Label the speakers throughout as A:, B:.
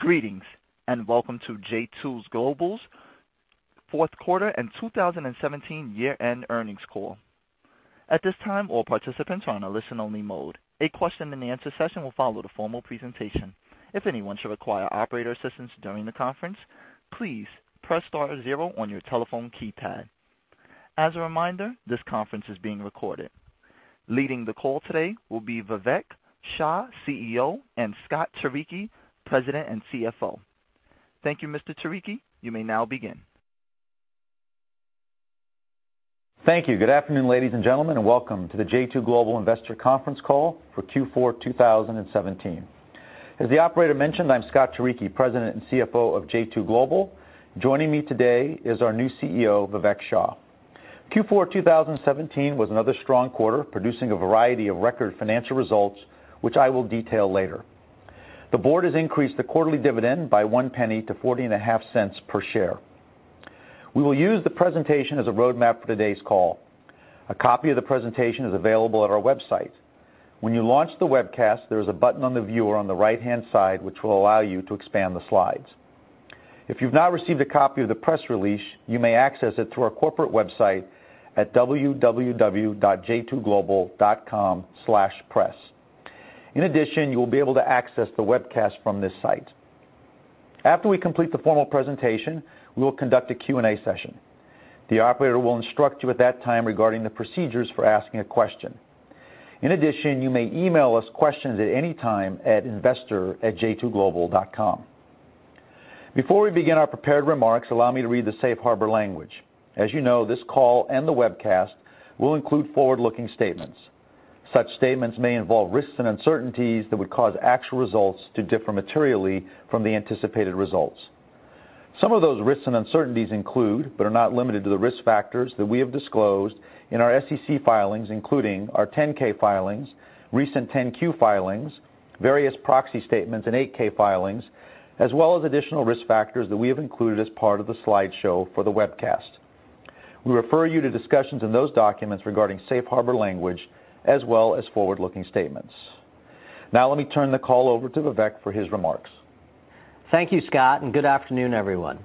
A: Greetings, welcome to j2 Global's fourth quarter and 2017 year-end earnings call. At this time, all participants are on a listen-only mode. A question-and-answer session will follow the formal presentation. If anyone should require operator assistance during the conference, please press star zero on your telephone keypad. As a reminder, this conference is being recorded. Leading the call today will be Vivek Shah, CEO, and Scott Turicchi, President and CFO. Thank you, Mr. Turicchi. You may now begin.
B: Thank you. Good afternoon, ladies and gentlemen, welcome to the j2 Global investor conference call for Q4 2017. As the operator mentioned, I'm Scott Turicchi, President and CFO of j2 Global. Joining me today is our new CEO, Vivek Shah. Q4 2017 was another strong quarter, producing a variety of record financial results, which I will detail later. The board has increased the quarterly dividend by one penny to $0.405 per share. We will use the presentation as a roadmap for today's call. A copy of the presentation is available at our website. When you launch the webcast, there is a button on the viewer on the right-hand side, which will allow you to expand the slides. If you've not received a copy of the press release, you may access it through our corporate website at www.j2global.com/press. In addition, you will be able to access the webcast from this site. After we complete the formal presentation, we will conduct a Q&A session. The operator will instruct you at that time regarding the procedures for asking a question. In addition, you may email us questions at any time at investor@j2global.com. Before we begin our prepared remarks, allow me to read the safe harbor language. As you know, this call and the webcast will include forward-looking statements. Such statements may involve risks and uncertainties that would cause actual results to differ materially from the anticipated results. Some of those risks and uncertainties include, but are not limited to, the risk factors that we have disclosed in our SEC filings, including our 10-K filings, recent 10-Q filings, various proxy statements, and 8-K filings, as well as additional risk factors that we have included as part of the slideshow for the webcast. We refer you to discussions in those documents regarding safe harbor language, as well as forward-looking statements. Let me turn the call over to Vivek for his remarks.
C: Thank you, Scott, and good afternoon, everyone.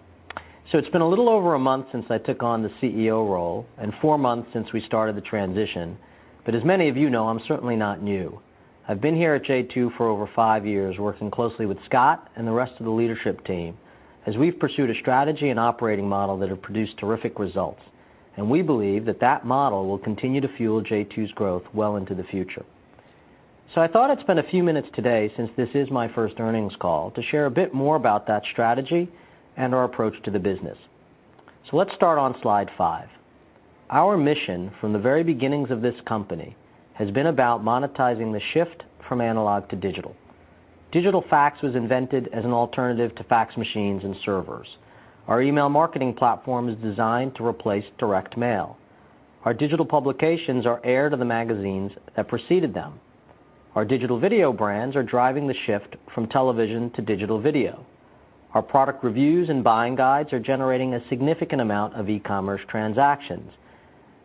C: It's been a little over a month since I took on the CEO role and four months since we started the transition. As many of you know, I'm certainly not new. I've been here at j2 for over five years, working closely with Scott and the rest of the leadership team as we've pursued a strategy and operating model that have produced terrific results. We believe that that model will continue to fuel j2's growth well into the future. I thought I'd spend a few minutes today, since this is my first earnings call, to share a bit more about that strategy and our approach to the business. Let's start on slide five. Our mission from the very beginnings of this company has been about monetizing the shift from analog to digital. Digital fax was invented as an alternative to fax machines and servers. Our email marketing platform is designed to replace direct mail. Our digital publications are heir to the magazines that preceded them. Our digital video brands are driving the shift from television to digital video. Our product reviews and buying guides are generating a significant amount of e-commerce transactions.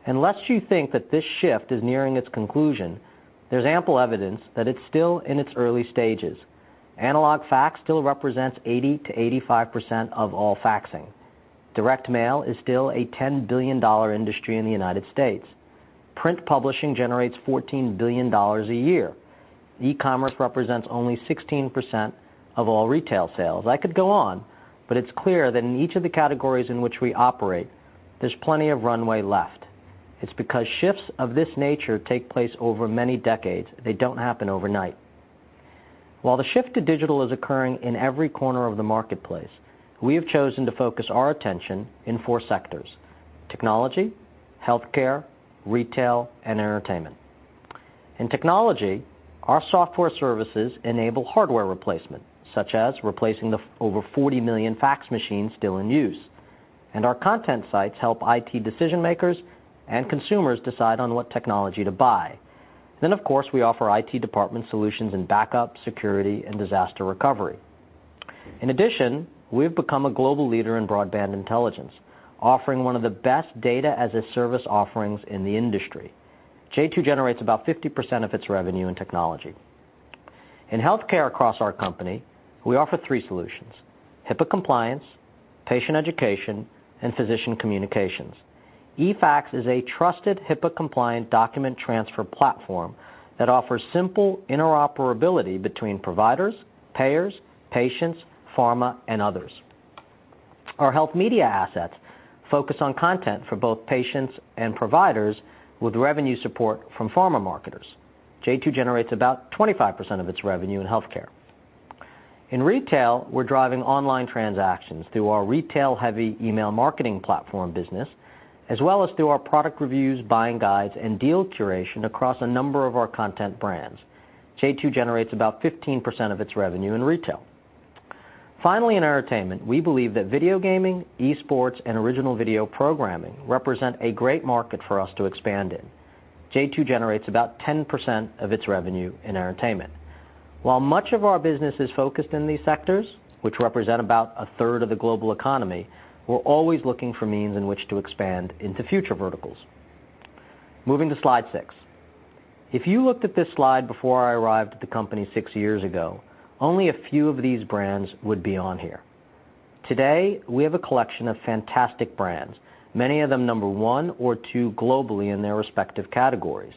C: Lest you think that this shift is nearing its conclusion, there's ample evidence that it's still in its early stages. Analog fax still represents 80%-85% of all faxing. Direct mail is still a $10 billion industry in the United States. Print publishing generates $14 billion a year. E-commerce represents only 16% of all retail sales. I could go on, it's clear that in each of the categories in which we operate, there's plenty of runway left. It's because shifts of this nature take place over many decades. They don't happen overnight. While the shift to digital is occurring in every corner of the marketplace, we have chosen to focus our attention in four sectors, technology, healthcare, retail, and entertainment. In technology, our software services enable hardware replacement, such as replacing the over 40 million fax machines still in use. Our content sites help IT decision-makers and consumers decide on what technology to buy. Of course, we offer IT department solutions in backup, security, and disaster recovery. In addition, we've become a global leader in broadband intelligence, offering one of the best data as a service offerings in the industry. j2 generates about 50% of its revenue in technology. In healthcare across our company, we offer three solutions, HIPAA compliance, patient education, and physician communications. eFax is a trusted HIPAA-compliant document transfer platform that offers simple interoperability between providers, payers, patients, pharma, and others. Our health media assets focus on content for both patients and providers with revenue support from pharma marketers. j2 generates about 25% of its revenue in healthcare. In retail, we're driving online transactions through our retail-heavy email marketing platform business, as well as through our product reviews, buying guides, and deal curation across a number of our content brands. j2 generates about 15% of its revenue in retail. Finally, in entertainment, we believe that video gaming, esports, and original video programming represent a great market for us to expand in. j2 generates about 10% of its revenue in entertainment. While much of our business is focused in these sectors, which represent about a third of the global economy, we're always looking for means in which to expand into future verticals. Moving to slide six. If you looked at this slide before I arrived at the company six years ago, only a few of these brands would be on here. Today, we have a collection of fantastic brands, many of them number 1 or 2 globally in their respective categories.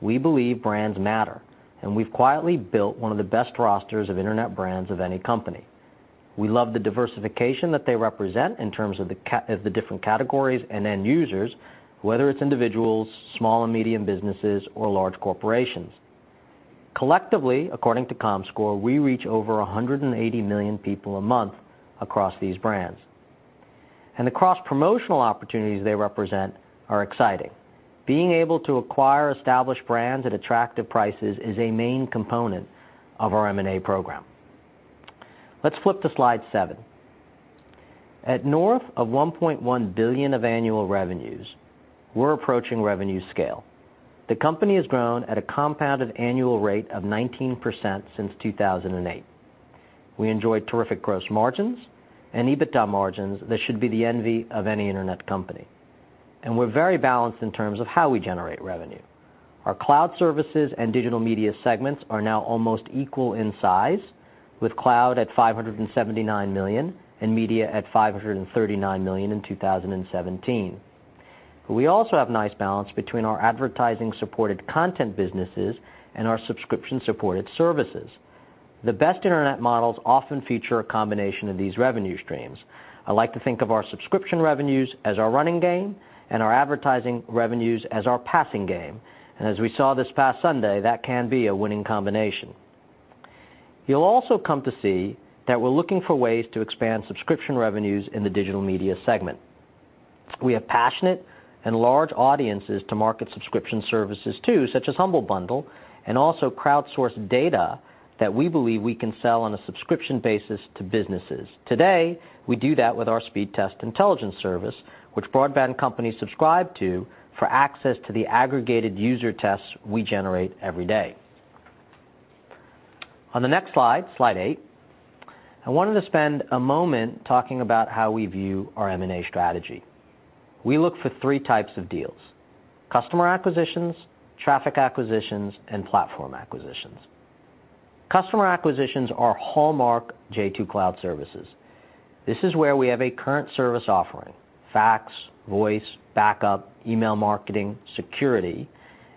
C: We believe brands matter, and we've quietly built one of the best rosters of internet brands of any company. We love the diversification that they represent in terms of the different categories and end users, whether it's individuals, small and medium businesses, or large corporations. Collectively, according to Comscore, we reach over 180 million people a month across these brands. The cross-promotional opportunities they represent are exciting. Being able to acquire established brands at attractive prices is a main component of our M&A program. Let's flip to slide seven. At north of $1.1 billion of annual revenues, we're approaching revenue scale. The company has grown at a compounded annual rate of 19% since 2008. We enjoy terrific gross margins and EBITDA margins that should be the envy of any internet company. We're very balanced in terms of how we generate revenue. Our Cloud Services and Digital Media segments are now almost equal in size, with Cloud at $579 million and Media at $539 million in 2017. We also have nice balance between our advertising-supported content businesses and our subscription-supported services. The best internet models often feature a combination of these revenue streams. I like to think of our subscription revenues as our running game and our advertising revenues as our passing game, as we saw this past Sunday, that can be a winning combination. You'll also come to see that we're looking for ways to expand subscription revenues in the Digital Media segment. We have passionate and large audiences to market subscription services to, such as Humble Bundle, and also crowdsourced data that we believe we can sell on a subscription basis to businesses. Today, we do that with our Speedtest Intelligence service, which broadband companies subscribe to for access to the aggregated user tests we generate every day. On the next slide eight, I wanted to spend a moment talking about how we view our M&A strategy. We look for 3 types of deals, customer acquisitions, traffic acquisitions, and platform acquisitions. Customer acquisitions are hallmark j2 Cloud Services. This is where we have a current service offering, fax, voice, backup, email marketing, security,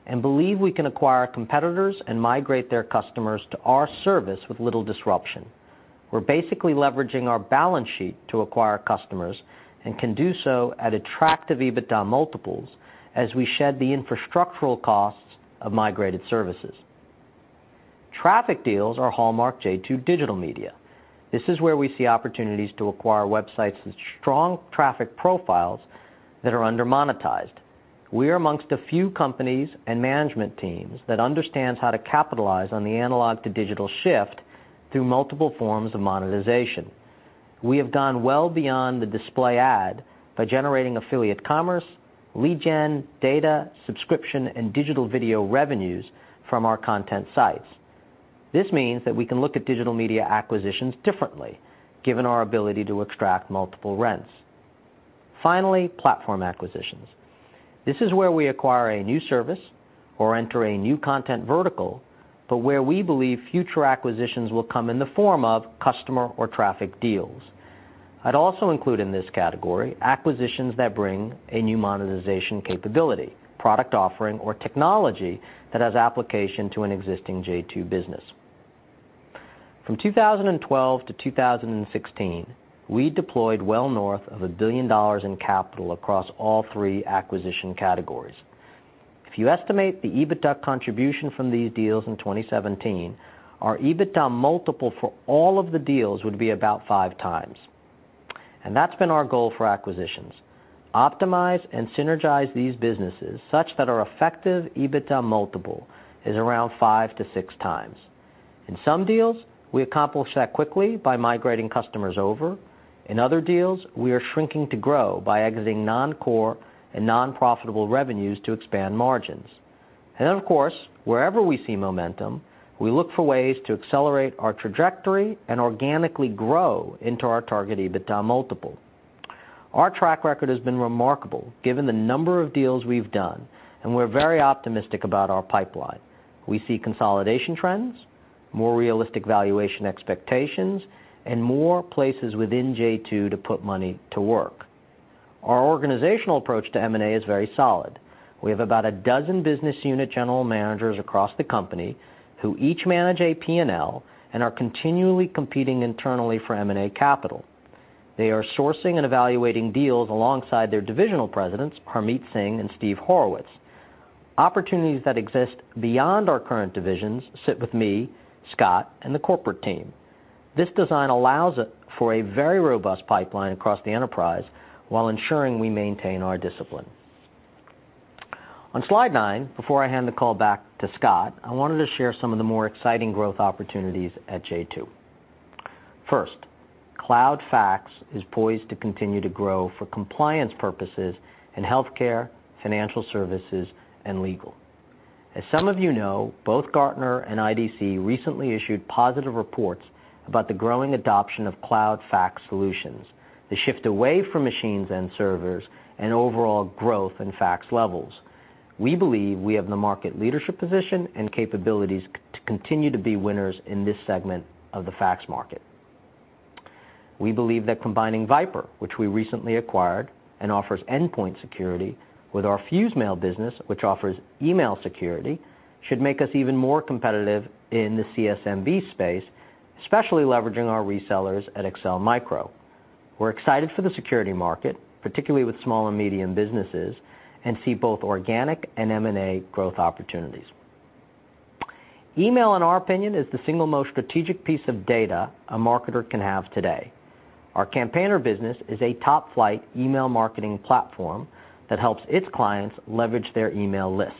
C: and believe we can acquire competitors and migrate their customers to our service with little disruption. We're basically leveraging our balance sheet to acquire customers and can do so at attractive EBITDA multiples as we shed the infrastructural costs of migrated services. Traffic deals are hallmark j2 Digital Media. This is where we see opportunities to acquire websites with strong traffic profiles that are under-monetized. We are amongst the few companies and management teams that understands how to capitalize on the analog-to-digital shift through multiple forms of monetization. We have gone well beyond the display ad by generating affiliate commerce, lead gen, data, subscription, and digital video revenues from our content sites. This means that we can look at Digital Media acquisitions differently, given our ability to extract multiple rents. Finally, platform acquisitions. This is where we acquire a new service or enter a new content vertical, but where we believe future acquisitions will come in the form of customer or traffic deals. I'd also include in this category acquisitions that bring a new monetization capability, product offering, or technology that has application to an existing j2 business. From 2012 to 2016, we deployed well north of $1 billion in capital across all three acquisition categories. If you estimate the EBITDA contribution from these deals in 2017, our EBITDA multiple for all of the deals would be about 5x. That's been our goal for acquisitions, optimize and synergize these businesses such that our effective EBITDA multiple is around 5x to 6x. In some deals, we accomplish that quickly by migrating customers over. In other deals, we are shrinking to grow by exiting non-core and non-profitable revenues to expand margins. Then, of course, wherever we see momentum, we look for ways to accelerate our trajectory and organically grow into our target EBITDA multiple. Our track record has been remarkable given the number of deals we've done, and we're very optimistic about our pipeline. We see consolidation trends, more realistic valuation expectations, and more places within j2 to put money to work. Our organizational approach to M&A is very solid. We have about a dozen business unit general managers across the company who each manage a P&L and are continually competing internally for M&A capital. They are sourcing and evaluating deals alongside their divisional presidents, Harmeet Singh and Steve Horowitz. Opportunities that exist beyond our current divisions sit with me, Scott, and the corporate team. This design allows for a very robust pipeline across the enterprise while ensuring we maintain our discipline. On slide nine, before I hand the call back to Scott, I wanted to share some of the more exciting growth opportunities at j2. First, cloud fax is poised to continue to grow for compliance purposes in healthcare, financial services, and legal. As some of you know, both Gartner and IDC recently issued positive reports about the growing adoption of cloud fax solutions, the shift away from machines and servers, and overall growth in fax levels. We believe we have the market leadership position and capabilities to continue to be winners in this segment of the fax market. We believe that combining VIPRE, which we recently acquired and offers endpoint security, with our FuseMail business, which offers email security, should make us even more competitive in the SMB space, especially leveraging our resellers at Excel Micro. We're excited for the security market, particularly with small and medium businesses, and see both organic and M&A growth opportunities. Email in our opinion is the single most strategic piece of data a marketer can have today. Our Campaigner business is a top-flight email marketing platform that helps its clients leverage their email lists.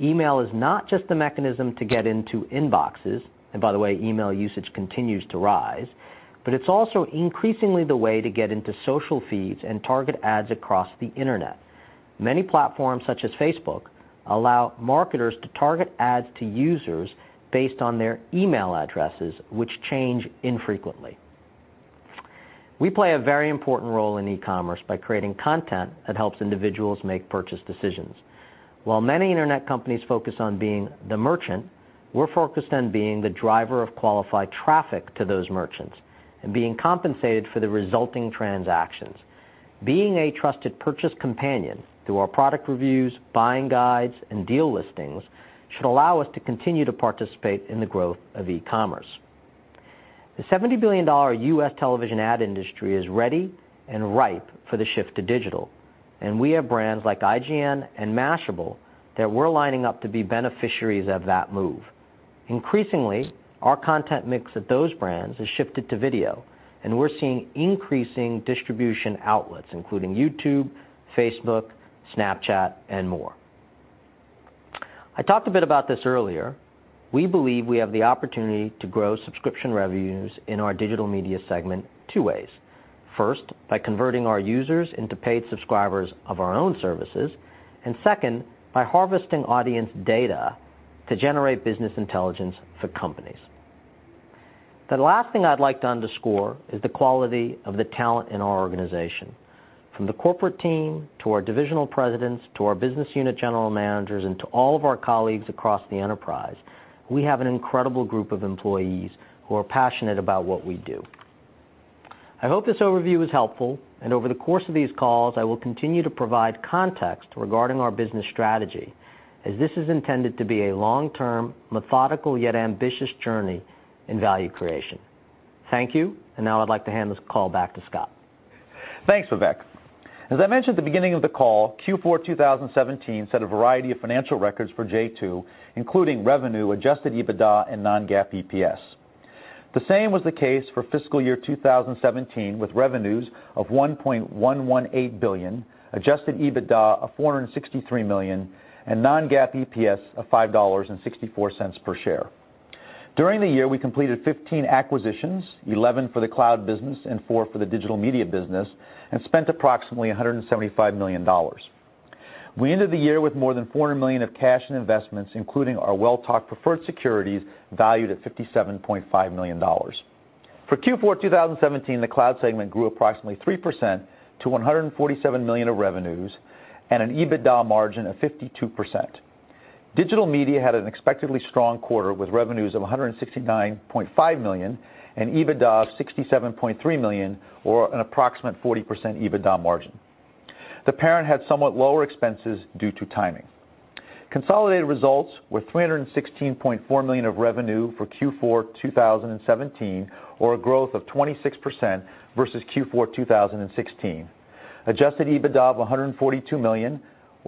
C: Email is not just a mechanism to get into inboxes, and by the way, email usage continues to rise, but it's also increasingly the way to get into social feeds and target ads across the internet. Many platforms, such as Facebook, allow marketers to target ads to users based on their email addresses, which change infrequently. We play a very important role in e-commerce by creating content that helps individuals make purchase decisions. While many internet companies focus on being the merchant, we're focused on being the driver of qualified traffic to those merchants and being compensated for the resulting transactions. Being a trusted purchase companion through our product reviews, buying guides, and deal listings should allow us to continue to participate in the growth of e-commerce. The $70 billion U.S. television ad industry is ready and ripe for the shift to digital, and we have brands like IGN and Mashable that we're lining up to be beneficiaries of that move. Increasingly, our content mix of those brands has shifted to video, and we're seeing increasing distribution outlets, including YouTube, Facebook, Snapchat, and more. I talked a bit about this earlier. We believe we have the opportunity to grow subscription revenues in our digital media segment two ways. First, by converting our users into paid subscribers of our own services, and second, by harvesting audience data to generate business intelligence for companies. The last thing I'd like to underscore is the quality of the talent in our organization, from the corporate team to our divisional presidents, to our business unit general managers, and to all of our colleagues across the enterprise. We have an incredible group of employees who are passionate about what we do. I hope this overview is helpful. Over the course of these calls, I will continue to provide context regarding our business strategy as this is intended to be a long-term, methodical, yet ambitious journey in value creation. Thank you. Now I'd like to hand this call back to Scott.
B: Thanks, Vivek. As I mentioned at the beginning of the call, Q4 2017 set a variety of financial records for j2, including revenue, adjusted EBITDA, and non-GAAP EPS. The same was the case for fiscal year 2017, with revenues of $1.118 billion, adjusted EBITDA of $463 million, and non-GAAP EPS of $5.64 per share. During the year, we completed 15 acquisitions, 11 for the cloud business and four for the digital media business, and spent approximately $175 million. We ended the year with more than $400 million of cash and investments, including our well-talked preferred securities valued at $57.5 million. For Q4 2017, the cloud segment grew approximately 3% to $147 million of revenues and an EBITDA margin of 52%. Digital media had an expectedly strong quarter, with revenues of $169.5 million and EBITDA of $67.3 million or an approximate 40% EBITDA margin. The parent had somewhat lower expenses due to timing. Consolidated results were $316.4 million of revenue for Q4 2017, or a growth of 26% versus Q4 2016. Adjusted EBITDA of $142 million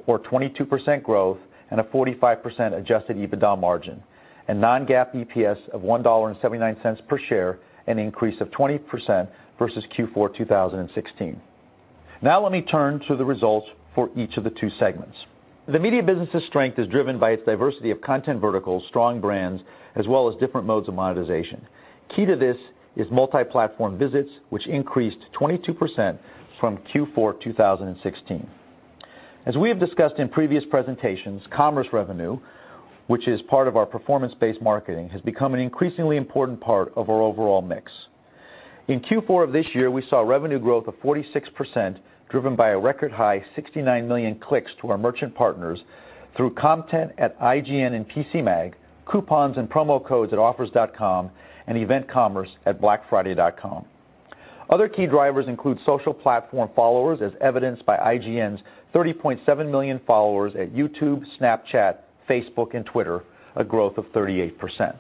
B: or 22% growth and a 45% adjusted EBITDA margin. Non-GAAP EPS of $1.79 per share, an increase of 20% versus Q4 2016. Now let me turn to the results for each of the two segments. The media business's strength is driven by its diversity of content verticals, strong brands, as well as different modes of monetization. Key to this is multi-platform visits, which increased 22% from Q4 2016. As we have discussed in previous presentations, commerce revenue, which is part of our performance-based marketing, has become an increasingly important part of our overall mix. In Q4 of this year, we saw revenue growth of 46%, driven by a record high 69 million clicks to our merchant partners through content at IGN and PCMag, coupons and promo codes at offers.com, and event commerce at blackfriday.com. Other key drivers include social platform followers as evidenced by IGN's 30.7 million followers at YouTube, Snapchat, Facebook, and Twitter, a growth of 38%.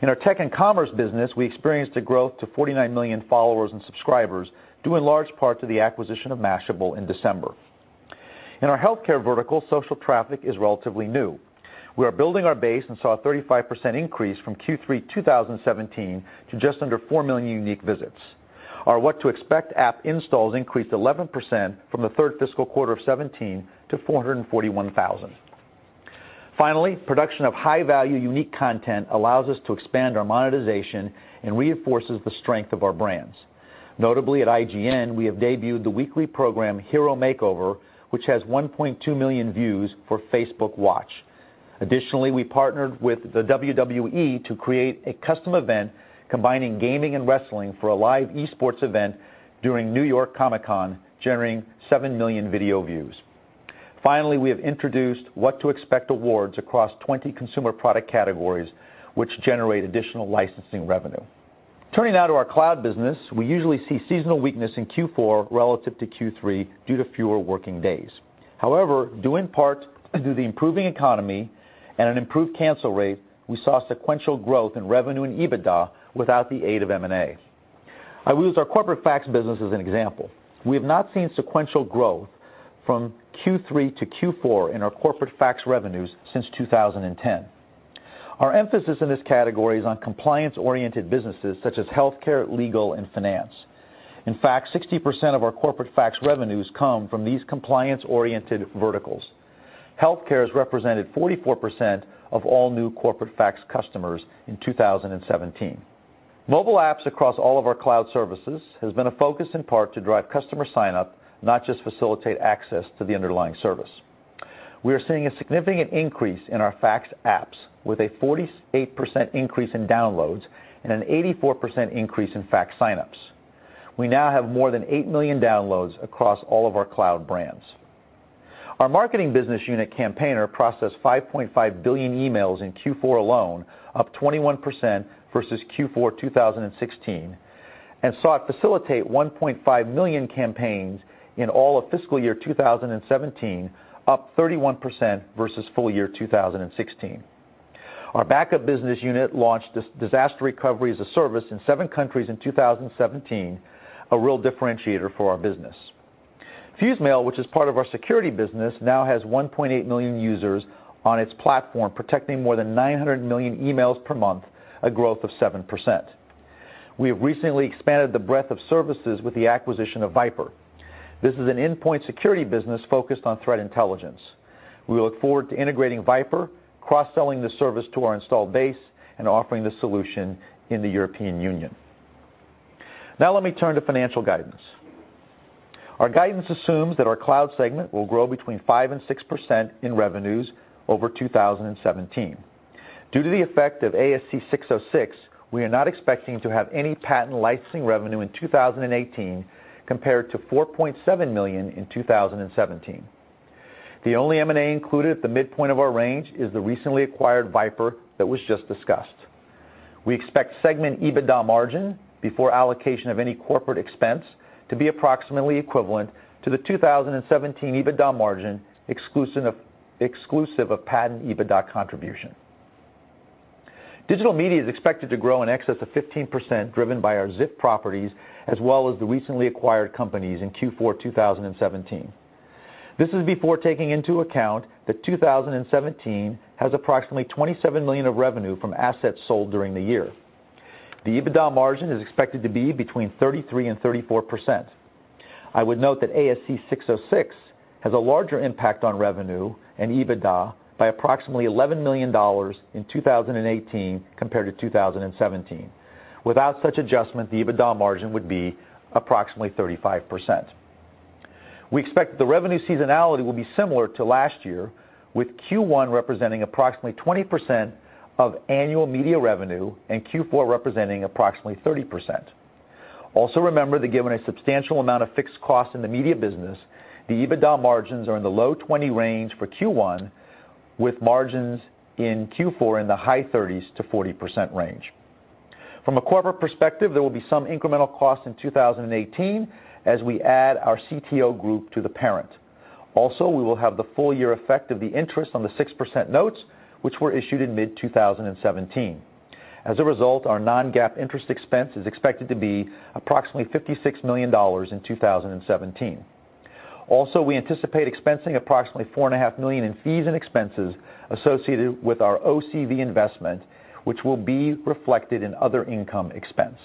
B: In our tech and commerce business, we experienced a growth to 49 million followers and subscribers due in large part to the acquisition of Mashable in December. In our healthcare vertical, social traffic is relatively new. We are building our base and saw a 35% increase from Q3 2017 to just under 4 million unique visits. Our What to Expect app installs increased 11% from the third fiscal quarter of 2017 to 441,000. Finally, production of high-value, unique content allows us to expand our monetization and reinforces the strength of our brands. Notably, at IGN, we have debuted the weekly program, Hero Makeover, which has 1.2 million views for Facebook Watch. Additionally, we partnered with the WWE to create a custom event combining gaming and wrestling for a live esports event during New York Comic Con, generating 7 million video views. Finally, we have introduced What to Expect awards across 20 consumer product categories, which generate additional licensing revenue. Turning now to our cloud business, we usually see seasonal weakness in Q4 relative to Q3 due to fewer working days. However, due in part to the improving economy and an improved cancel rate, we saw sequential growth in revenue and EBITDA without the aid of M&A. I will use our corporate fax business as an example. We have not seen sequential growth from Q3 to Q4 in our corporate fax revenues since 2010. Our emphasis in this category is on compliance-oriented businesses such as healthcare, legal, and finance. In fact, 60% of our corporate fax revenues come from these compliance-oriented verticals. Healthcare has represented 44% of all new corporate fax customers in 2017. Mobile apps across all of our cloud services has been a focus in part to drive customer sign-up, not just facilitate access to the underlying service. We are seeing a significant increase in our fax apps, with a 48% increase in downloads and an 84% increase in fax sign-ups. We now have more than 8 million downloads across all of our cloud brands. Our marketing business unit, Campaigner, processed 5.5 billion emails in Q4 alone, up 21% versus Q4 2016, and saw it facilitate 1.5 million campaigns in all of fiscal year 2017, up 31% versus full year 2016. Our backup business unit launched Disaster Recovery as a Service in 7 countries in 2017, a real differentiator for our business. FuseMail, which is part of our security business, now has 1.8 million users on its platform, protecting more than 900 million emails per month, a growth of 7%. We have recently expanded the breadth of services with the acquisition of VIPRE. This is an endpoint security business focused on threat intelligence. We look forward to integrating VIPRE, cross-selling the service to our installed base, and offering the solution in the European Union. Now let me turn to financial guidance. Our guidance assumes that our cloud segment will grow between 5% and 6% in revenues over 2017. Due to the effect of ASC 606, we are not expecting to have any patent licensing revenue in 2018 compared to $4.7 million in 2017. The only M&A included at the midpoint of our range is the recently acquired VIPRE that was just discussed. We expect segment EBITDA margin before allocation of any corporate expense to be approximately equivalent to the 2017 EBITDA margin exclusive of patent EBITDA contribution. Digital media is expected to grow in excess of 15%, driven by our Ziff properties as well as the recently acquired companies in Q4 2017. This is before taking into account that 2017 has approximately $27 million of revenue from assets sold during the year. The EBITDA margin is expected to be between 33%-34%. I would note that ASC 606 has a larger impact on revenue and EBITDA by approximately $11 million in 2018 compared to 2017. Without such adjustment, the EBITDA margin would be approximately 35%. We expect the revenue seasonality will be similar to last year, with Q1 representing approximately 20% of annual media revenue and Q4 representing approximately 30%. Also remember that given a substantial amount of fixed costs in the media business, the EBITDA margins are in the low 20% range for Q1, with margins in Q4 in the high 30s-40% range. From a corporate perspective, there will be some incremental costs in 2018 as we add our CTO group to the parent. Also, we will have the full year effect of the interest on the 6% notes, which were issued in mid-2017. As a result, our non-GAAP interest expense is expected to be approximately $56 million in 2017. Also, we anticipate expensing approximately $4.5 million in fees and expenses associated with our OCV investment, which will be reflected in other income expense.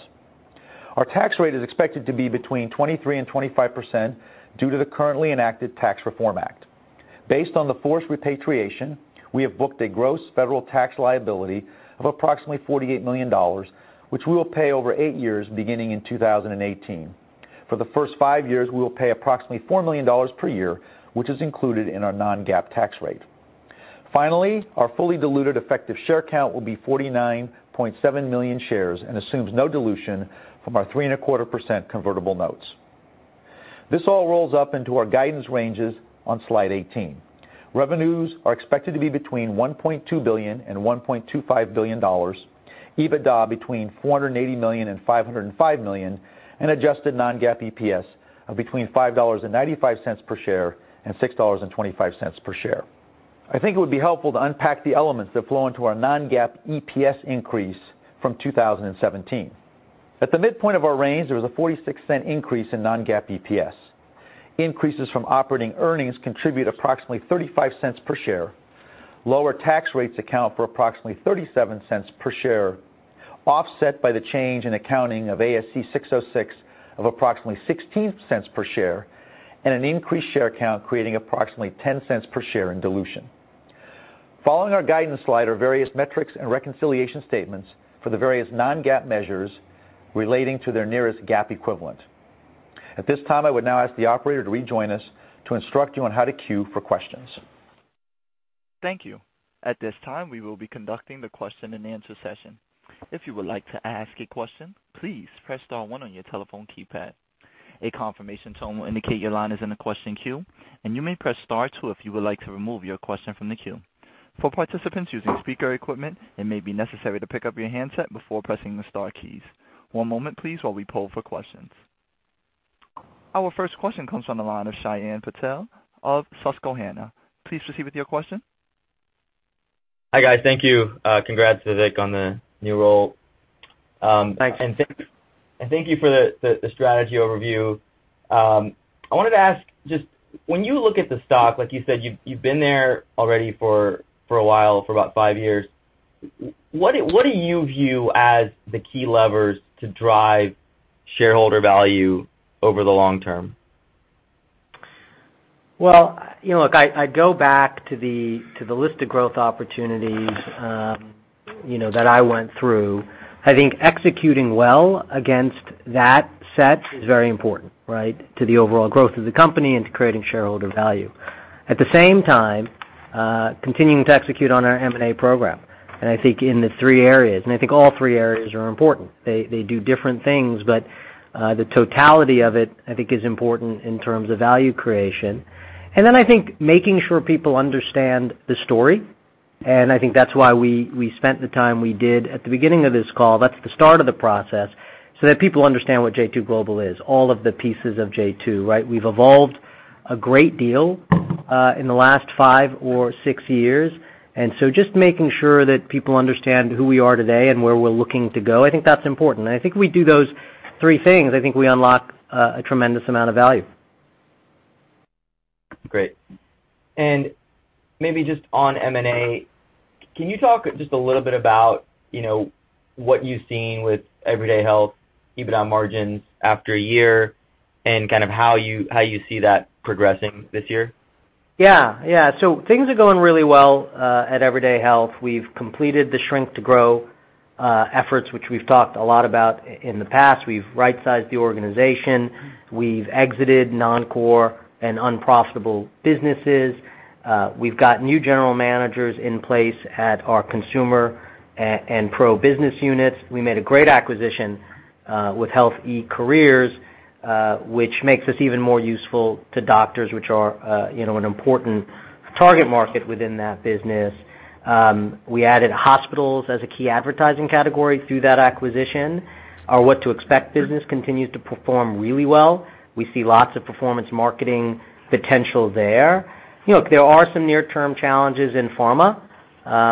B: Our tax rate is expected to be between 23%-25% due to the currently enacted Tax Cuts and Jobs Act. Based on the forced repatriation, we have booked a gross federal tax liability of approximately $48 million, which we will pay over 8 years beginning in 2018. For the first 5 years, we will pay approximately $4 million per year, which is included in our non-GAAP tax rate. Finally, our fully diluted effective share count will be 49.7 million shares and assumes no dilution from our 3.25% convertible notes. This all rolls up into our guidance ranges on slide 18. Revenues are expected to be between $1.2 billion-$1.25 billion, EBITDA between $480 million-$505 million, and adjusted non-GAAP EPS of between $5.95 per share-$6.25 per share. I think it would be helpful to unpack the elements that flow into our non-GAAP EPS increase from 2017. At the midpoint of our range, there was a $0.46 increase in non-GAAP EPS. Increases from operating earnings contribute approximately $0.35 per share. Lower tax rates account for approximately $0.37 per share Offset by the change in accounting of ASC 606 of approximately $0.16 per share, and an increased share count creating approximately $0.10 per share in dilution. Following our guidance slide are various metrics and reconciliation statements for the various non-GAAP measures relating to their nearest GAAP equivalent. At this time, I would now ask the operator to rejoin us to instruct you on how to queue for questions.
A: Thank you. At this time, we will be conducting the question and answer session. If you would like to ask a question, please press star one on your telephone keypad. A confirmation tone will indicate your line is in the question queue, and you may press star two if you would like to remove your question from the queue. For participants using speaker equipment, it may be necessary to pick up your handset before pressing the star keys. One moment please, while we poll for questions. Our first question comes from the line of Shyam Patil of Susquehanna. Please proceed with your question.
D: Hi, guys. Thank you. Congrats to Vic on the new role.
C: Thanks.
D: Thank you for the strategy overview. I wanted to ask just when you look at the stock, like you said, you've been there already for a while, for about five years. What do you view as the key levers to drive shareholder value over the long term?
C: Well, look, I go back to the list of growth opportunities that I went through. I think executing well against that set is very important, right, to the overall growth of the company and to creating shareholder value. At the same time, continuing to execute on our M&A program. I think in the 3 areas, and I think all 3 areas are important. They do different things, but the totality of it, I think, is important in terms of value creation. I think making sure people understand the story, and I think that's why we spent the time we did at the beginning of this call, that's the start of the process, so that people understand what j2 Global is, all of the pieces of j2, right? We've evolved a great deal in the last 5 or 6 years, just making sure that people understand who we are today and where we're looking to go, I think that's important. I think if we do those 3 things, I think we unlock a tremendous amount of value.
D: Great. Maybe just on M&A, can you talk just a little bit about what you've seen with Everyday Health EBITDA margins after 1 year and kind of how you see that progressing this year?
C: Yeah. Things are going really well at Everyday Health. We've completed the shrink to grow efforts, which we've talked a lot about in the past. We've right-sized the organization. We've exited non-core and unprofitable businesses. We've got new general managers in place at our consumer and pro business units. We made a great acquisition, with Health eCareers, which makes us even more useful to doctors, which are an important target market within that business. We added hospitals as a key advertising category through that acquisition. Our What to Expect business continues to perform really well. We see lots of performance marketing potential there. Look, there are some near-term challenges in pharma,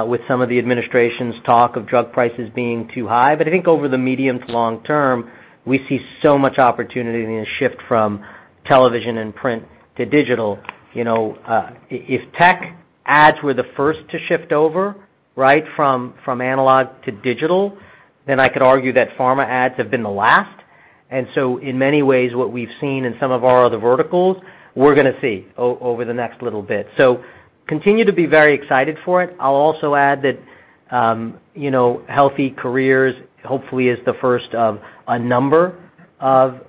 C: with some of the administration's talk of drug prices being too high. I think over the medium to long term, we see so much opportunity in the shift from television and print to digital. If tech ads were the first to shift over, right, from analog to digital, I could argue that pharma ads have been the last. In many ways, what we've seen in some of our other verticals, we're gonna see over the next little bit. Continue to be very excited for it. I'll also add that Health eCareers hopefully is the first of a number of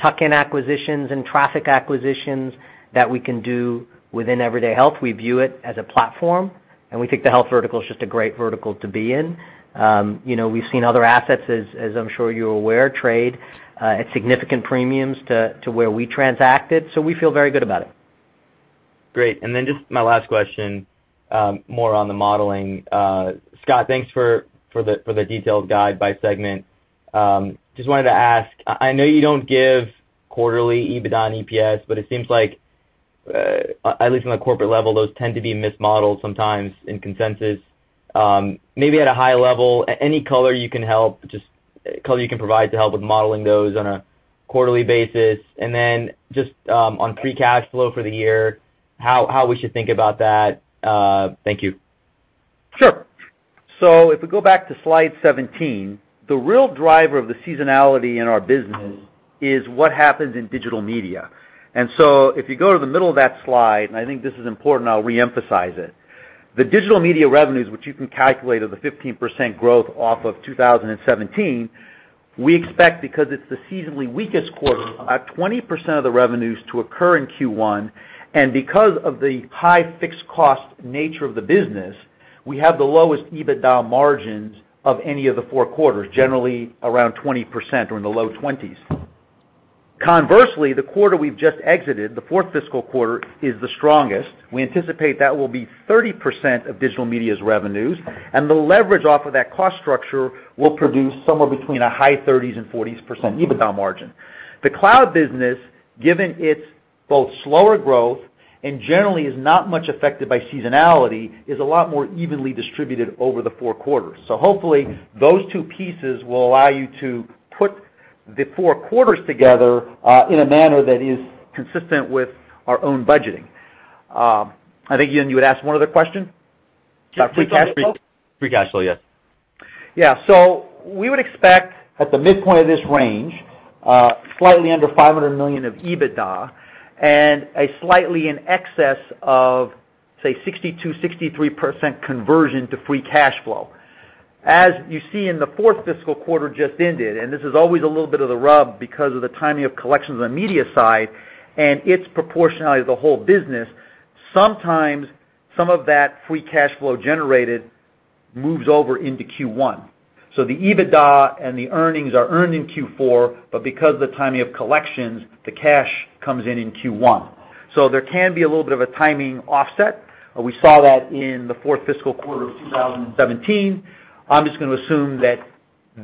C: tuck-in acquisitions and traffic acquisitions that we can do within Everyday Health. We view it as a platform, and we think the health vertical is just a great vertical to be in. We've seen other assets, as I'm sure you're aware, trade at significant premiums to where we transacted, so we feel very good about it.
D: Great. Just my last question, more on the modeling. Scott, thanks for the detailed guide by segment. Just wanted to ask, I know you don't give quarterly EBITDA and EPS, it seems like, at least on a corporate level, those tend to be mismodeled sometimes in consensus. Maybe at a high level, any color you can provide to help with modeling those on a quarterly basis, just on free cash flow for the year, how we should think about that. Thank you.
B: Sure. If we go back to slide 17, the real driver of the seasonality in our business is what happens in digital media. If you go to the middle of that slide, and I think this is important, I'll re-emphasize it. The digital media revenues, which you can calculate are the 15% growth off of 2017, we expect because it's the seasonally weakest quarter, 20% of the revenues to occur in Q1, and because of the high fixed cost nature of the business, we have the lowest EBITDA margins of any of the four quarters, generally around 20% or in the low twenties. Conversely, the quarter we've just exited, the fourth fiscal quarter, is the strongest. We anticipate that will be 30% of digital media's revenues, and the leverage off of that cost structure will produce somewhere between a high thirties and fortys percent EBITDA margin.
D: The cloud business, given its both slower growth and generally is not much affected by seasonality, is a lot more evenly distributed over the four quarters. Hopefully, those two pieces will allow you to put the four quarters together in a manner that is consistent with our own budgeting. I think, Ian, you would ask one other question? About free cash flow? Free cash flow, yes.
B: We would expect at the midpoint of this range, slightly under $500 million of EBITDA and a slightly in excess of, say, 62%-63% conversion to free cash flow. As you see in the fourth fiscal quarter just ended, and this is always a little bit of the rub because of the timing of collections on the media side and its proportionality to the whole business. Sometimes, some of that free cash flow generated moves over into Q1. The EBITDA and the earnings are earned in Q4, but because of the timing of collections, the cash comes in in Q1. There can be a little bit of a timing offset. We saw that in the fourth fiscal quarter of 2017. I'm just going to assume that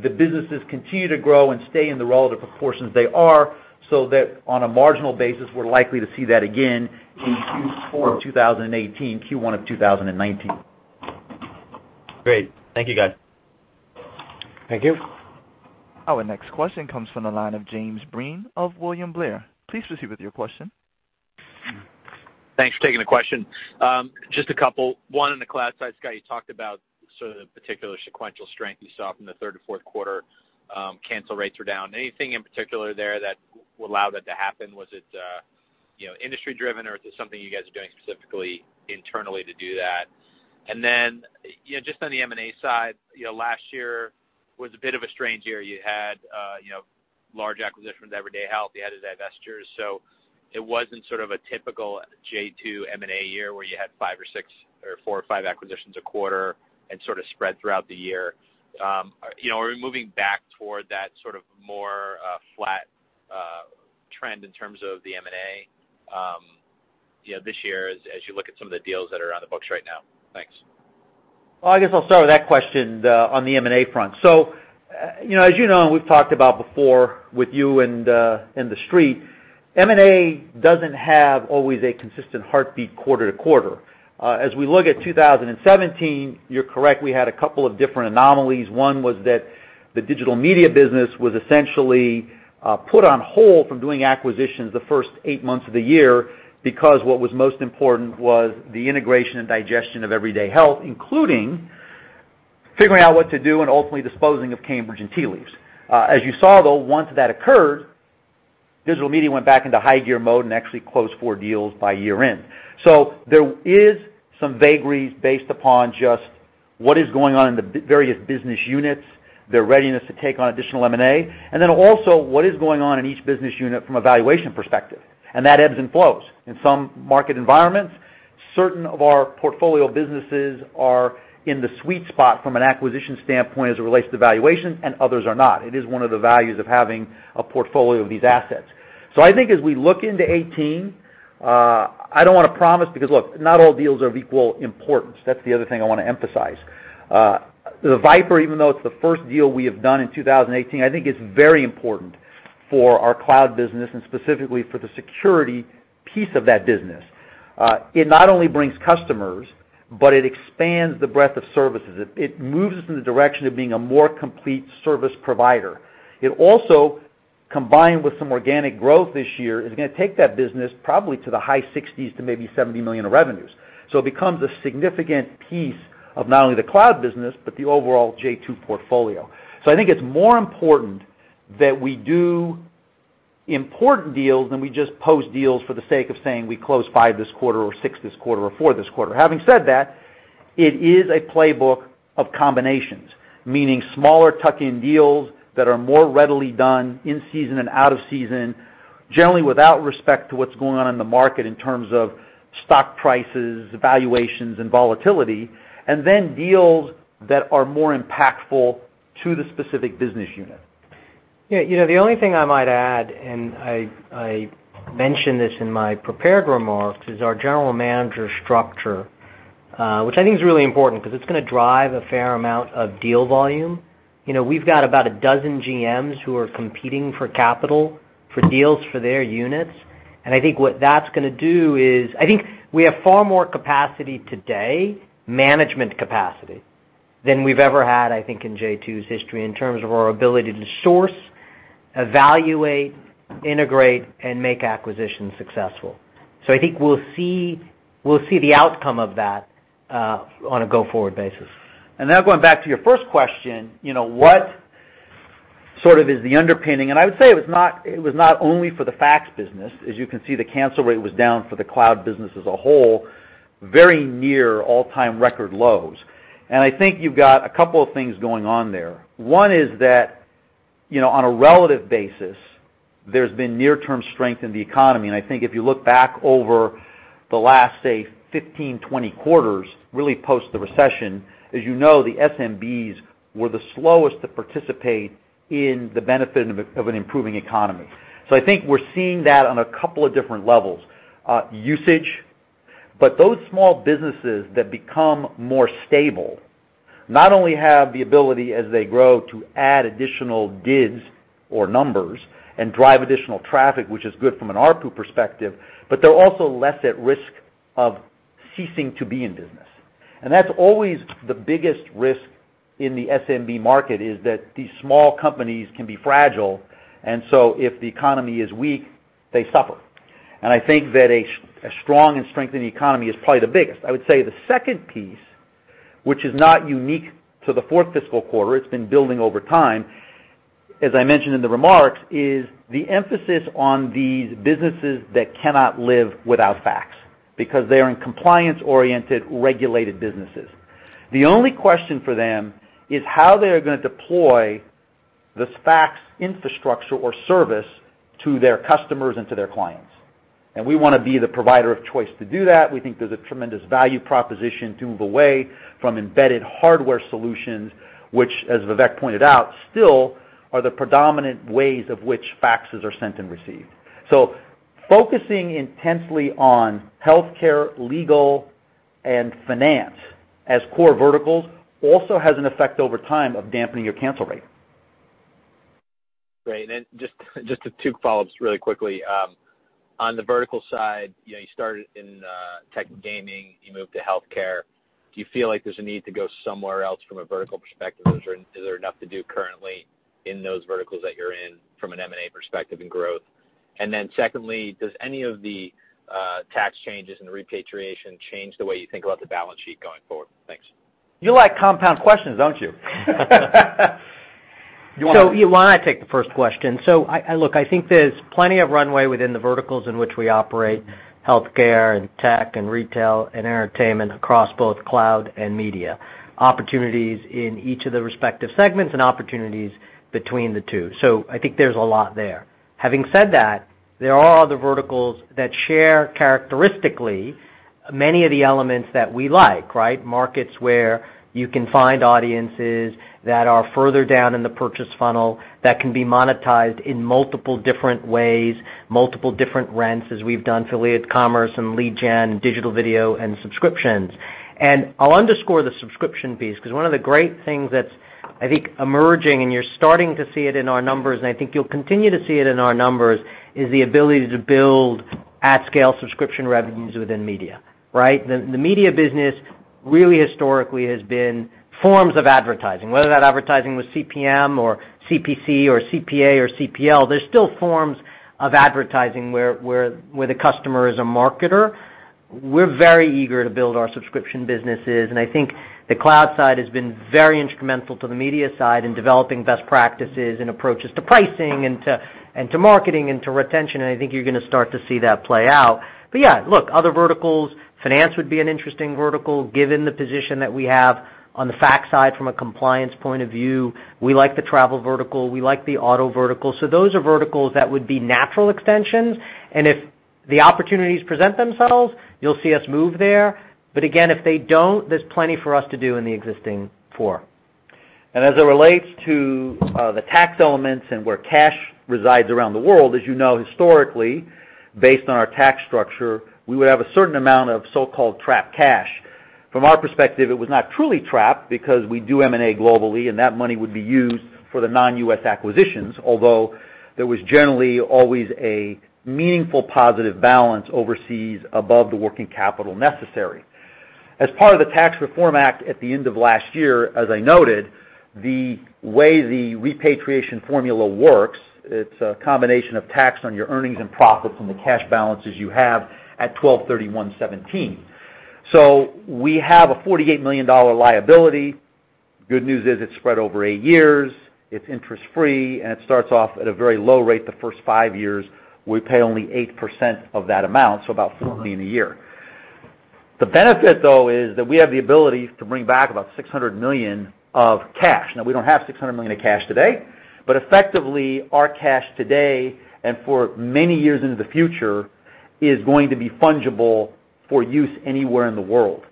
B: the businesses continue to grow and stay in the relative proportions they are, so that on a marginal basis, we're likely to see that again in Q4 2018, Q1 of 2019.
D: Great. Thank you guys.
B: Thank you.
A: Our next question comes from the line of James Breen of William Blair. Please proceed with your question.
E: Thanks for taking the question. Just a couple. One on the cloud side, Scott, you talked about sort of the particular sequential strength you saw from the third and fourth quarter. Cancel rates are down. Anything in particular there that allowed that to happen? Was it industry driven or is it something you guys are doing specifically internally to do that? Just on the M&A side, last year was a bit of a strange year. You had large acquisitions, Everyday Health, you had Investis. It wasn't sort of a typical j2 M&A year where you had five or six or four or five acquisitions a quarter and sort of spread throughout the year. Are we moving back toward that sort of more flat trend in terms of the M&A this year as you look at some of the deals that are on the books right now? Thanks.
B: I guess I'll start with that question on the M&A front. As you know, and we've talked about before with you and the street, M&A doesn't have always a consistent heartbeat quarter-to-quarter. As we look at 2017, you're correct, we had a couple of different anomalies. One was that the Digital Media business was essentially put on hold from doing acquisitions the first eight months of the year, because what was most important was the integration and digestion of Everyday Health, including figuring out what to do and ultimately disposing of Cambridge and Tea Leaves. As you saw, though, once that occurred, Digital Media went back into high gear mode and actually closed four deals by year-end. There is some vagaries based upon just what is going on in the various business units, their readiness to take on additional M&A, and then also what is going on in each business unit from a valuation perspective. That ebbs and flows. In some market environments, certain of our portfolio businesses are in the sweet spot from an acquisition standpoint as it relates to valuation, and others are not. It is one of the values of having a portfolio of these assets. I think as we look into 2018, I don't want to promise because, look, not all deals are of equal importance. That's the other thing I want to emphasize. The VIPRE, even though it's the first deal we have done in 2018, I think it's very important for our cloud business and specifically for the security piece of that business. It not only brings customers, but it expands the breadth of services. It moves us in the direction of being a more complete service provider. It also, combined with some organic growth this year, is going to take that business probably to the high 60s to maybe $70 million of revenues. It becomes a significant piece of not only the cloud business, but the overall J2 portfolio. I think it's more important that we do important deals than we just post deals for the sake of saying we closed five this quarter or six this quarter or four this quarter. Having said that, it is a playbook of combinations, meaning smaller tuck-in deals that are more readily done in season and out of season, generally without respect to what's going on in the market in terms of stock prices, valuations, and volatility, and then deals that are more impactful to the specific business unit. Yeah. The only thing I might add, and I mentioned this in my prepared remarks, is our general manager structure, which I think is really important because it's going to drive a fair amount of deal volume. We've got about a dozen GMs who are competing for capital for deals for their units, and I think what that's going to do, I think we have far more capacity today, management capacity, than we've ever had, I think, in J2's history in terms of our ability to source, evaluate, integrate, and make acquisitions successful. I think we'll see the outcome of that on a go-forward basis. Now going back to your first question, what sort of is the underpinning? I would say it was not only for the fax business. As you can see, the cancel rate was down for the cloud business as a whole, very near all-time record lows. I think you've got a couple of things going on there. One is that on a relative basis, there's been near-term strength in the economy, and I think if you look back over the last, say, 15, 20 quarters, really post the recession, as you know, the SMBs were the slowest to participate in the benefit of an improving economy. I think we're seeing that on a couple of different levels. Usage, Those small businesses that become more stable not only have the ability as they grow to add additional digs or numbers and drive additional traffic, which is good from an ARPU perspective, but they're also less at risk of ceasing to be in business. That's always the biggest risk in the SMB market, is that these small companies can be fragile. If the economy is weak, they suffer. I think that a strong and strengthening economy is probably the biggest. I would say the second piece, which is not unique to the fourth fiscal quarter, it's been building over time, as I mentioned in the remarks, is the emphasis on these businesses that cannot live without fax, because they are in compliance-oriented, regulated businesses. The only question for them is how they are going to deploy this fax infrastructure or service to their customers and to their clients. We want to be the provider of choice to do that. We think there's a tremendous value proposition to move away from embedded hardware solutions, which, as Vivek pointed out, still are the predominant ways of which faxes are sent and received. Focusing intensely on healthcare, legal, and finance as core verticals also has an effect over time of dampening your cancel rate.
E: Great. Just the two follow-ups really quickly. On the vertical side, you started in tech and gaming, you moved to healthcare. Do you feel like there's a need to go somewhere else from a vertical perspective? Is there enough to do currently in those verticals that you're in from an M&A perspective and growth? Secondly, does any of the tax changes and repatriation change the way you think about the balance sheet going forward? Thanks.
B: You like compound questions, don't you?
C: Eli, I take the first question. Look, I think there's plenty of runway within the verticals in which we operate, healthcare and tech and retail and entertainment across both cloud and media. Opportunities in each of the respective segments and opportunities between the two. I think there's a lot there. Having said that, there are other verticals that share characteristically many of the elements that we like, right? Markets where you can find audiences that are further down in the purchase funnel that can be monetized in multiple different ways, multiple different rents, as we've done affiliate commerce and lead gen, digital video and subscriptions. I'll underscore the subscription piece, because one of the great things that's, I think, emerging, and you're starting to see it in our numbers, and I think you'll continue to see it in our numbers, is the ability to build at scale subscription revenues within media, right? The media business really historically has been forms of advertising, whether that advertising was CPM or CPC or CPA or CPL. There's still forms of advertising where the customer is a marketer. We're very eager to build our subscription businesses, and I think the cloud side has been very instrumental to the media side in developing best practices and approaches to pricing and to marketing and to retention, and I think you're going to start to see that play out. Yeah, look, other verticals, finance would be an interesting vertical, given the position that we have on the fax side from a compliance point of view. We like the travel vertical. We like the auto vertical. Those are verticals that would be natural extensions, and if the opportunities present themselves, you'll see us move there. Again, if they don't, there's plenty for us to do in the existing four.
B: As it relates to the tax elements and where cash resides around the world, as you know, historically, based on our tax structure, we would have a certain amount of so-called trapped cash. From our perspective, it was not truly trapped because we do M&A globally, and that money would be used for the non-U.S. acquisitions, although there was generally always a meaningful positive balance overseas above the working capital necessary. As part of the Tax Cuts and Jobs Act at the end of last year, as I noted, the way the repatriation formula works, it's a combination of tax on your earnings and profits on the cash balances you have at 12/31/2017. We have a $48 million liability. The good news is it's spread over eight years, it's interest-free, and it starts off at a very low rate the first five years. We pay only 8% of that amount, about $4 million a year. The benefit, though, is that we have the ability to bring back about $600 million of cash. Now, we don't have $600 million of cash today, effectively, our cash today and for many years into the future is going to be fungible for use anywhere in the world.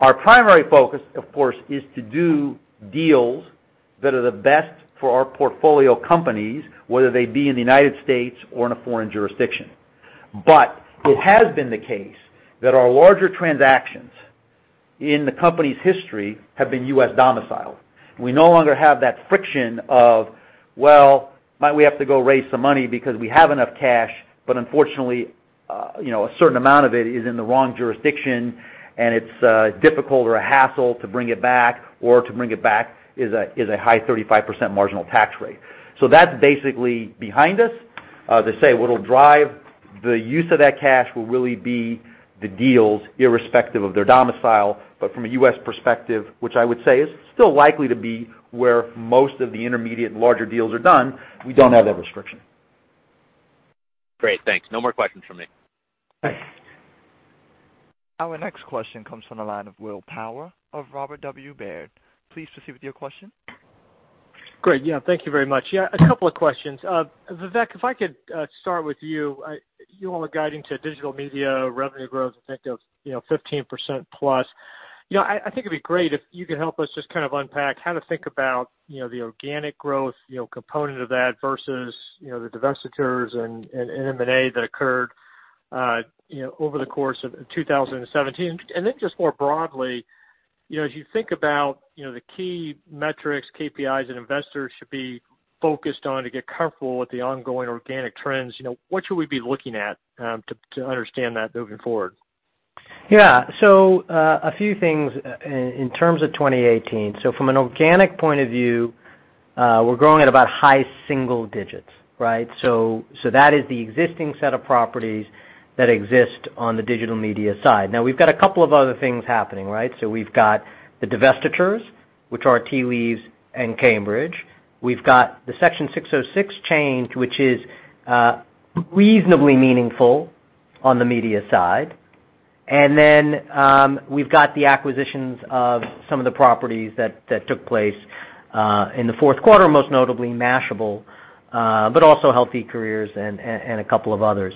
B: Our primary focus, of course, is to do deals that are the best for our portfolio companies, whether they be in the U.S. or in a foreign jurisdiction. It has been the case that our larger transactions in the company's history have been U.S. domiciled. We no longer have that friction of, well, might we have to go raise some money because we have enough cash, unfortunately, a certain amount of it is in the wrong jurisdiction, and it's difficult or a hassle to bring it back, or to bring it back is a high 35% marginal tax rate. That's basically behind us. As I say, what will drive the use of that cash will really be the deals irrespective of their domicile. From a U.S. perspective, which I would say is still likely to be where most of the intermediate larger deals are done, we don't have that restriction.
E: Great. Thanks. No more questions from me.
B: Thanks.
A: Our next question comes from the line of Will Power of Robert W. Baird. Please proceed with your question.
F: Thank you very much. A couple of questions. Vivek, if I could start with you. You all are guiding to digital media revenue growth in, I think, 15%+. I think it'd be great if you could help us just kind of unpack how to think about the organic growth component of that versus the divestitures and M&A that occurred over the course of 2017. Then just more broadly, if you think about the key metrics, KPIs an investor should be focused on to get comfortable with the ongoing organic trends, what should we be looking at to understand that moving forward?
C: A few things in terms of 2018. From an organic point of view, we're growing at about high single digits, right? That is the existing set of properties that exist on the digital media side. Now we've got a couple of other things happening, right? We've got the divestitures, which are Tea Leaves and Cambridge. We've got the ASC 606 change, which is reasonably meaningful on the media side. Then, we've got the acquisitions of some of the properties that took place in the fourth quarter, most notably Mashable, but also Health eCareers and a couple of others.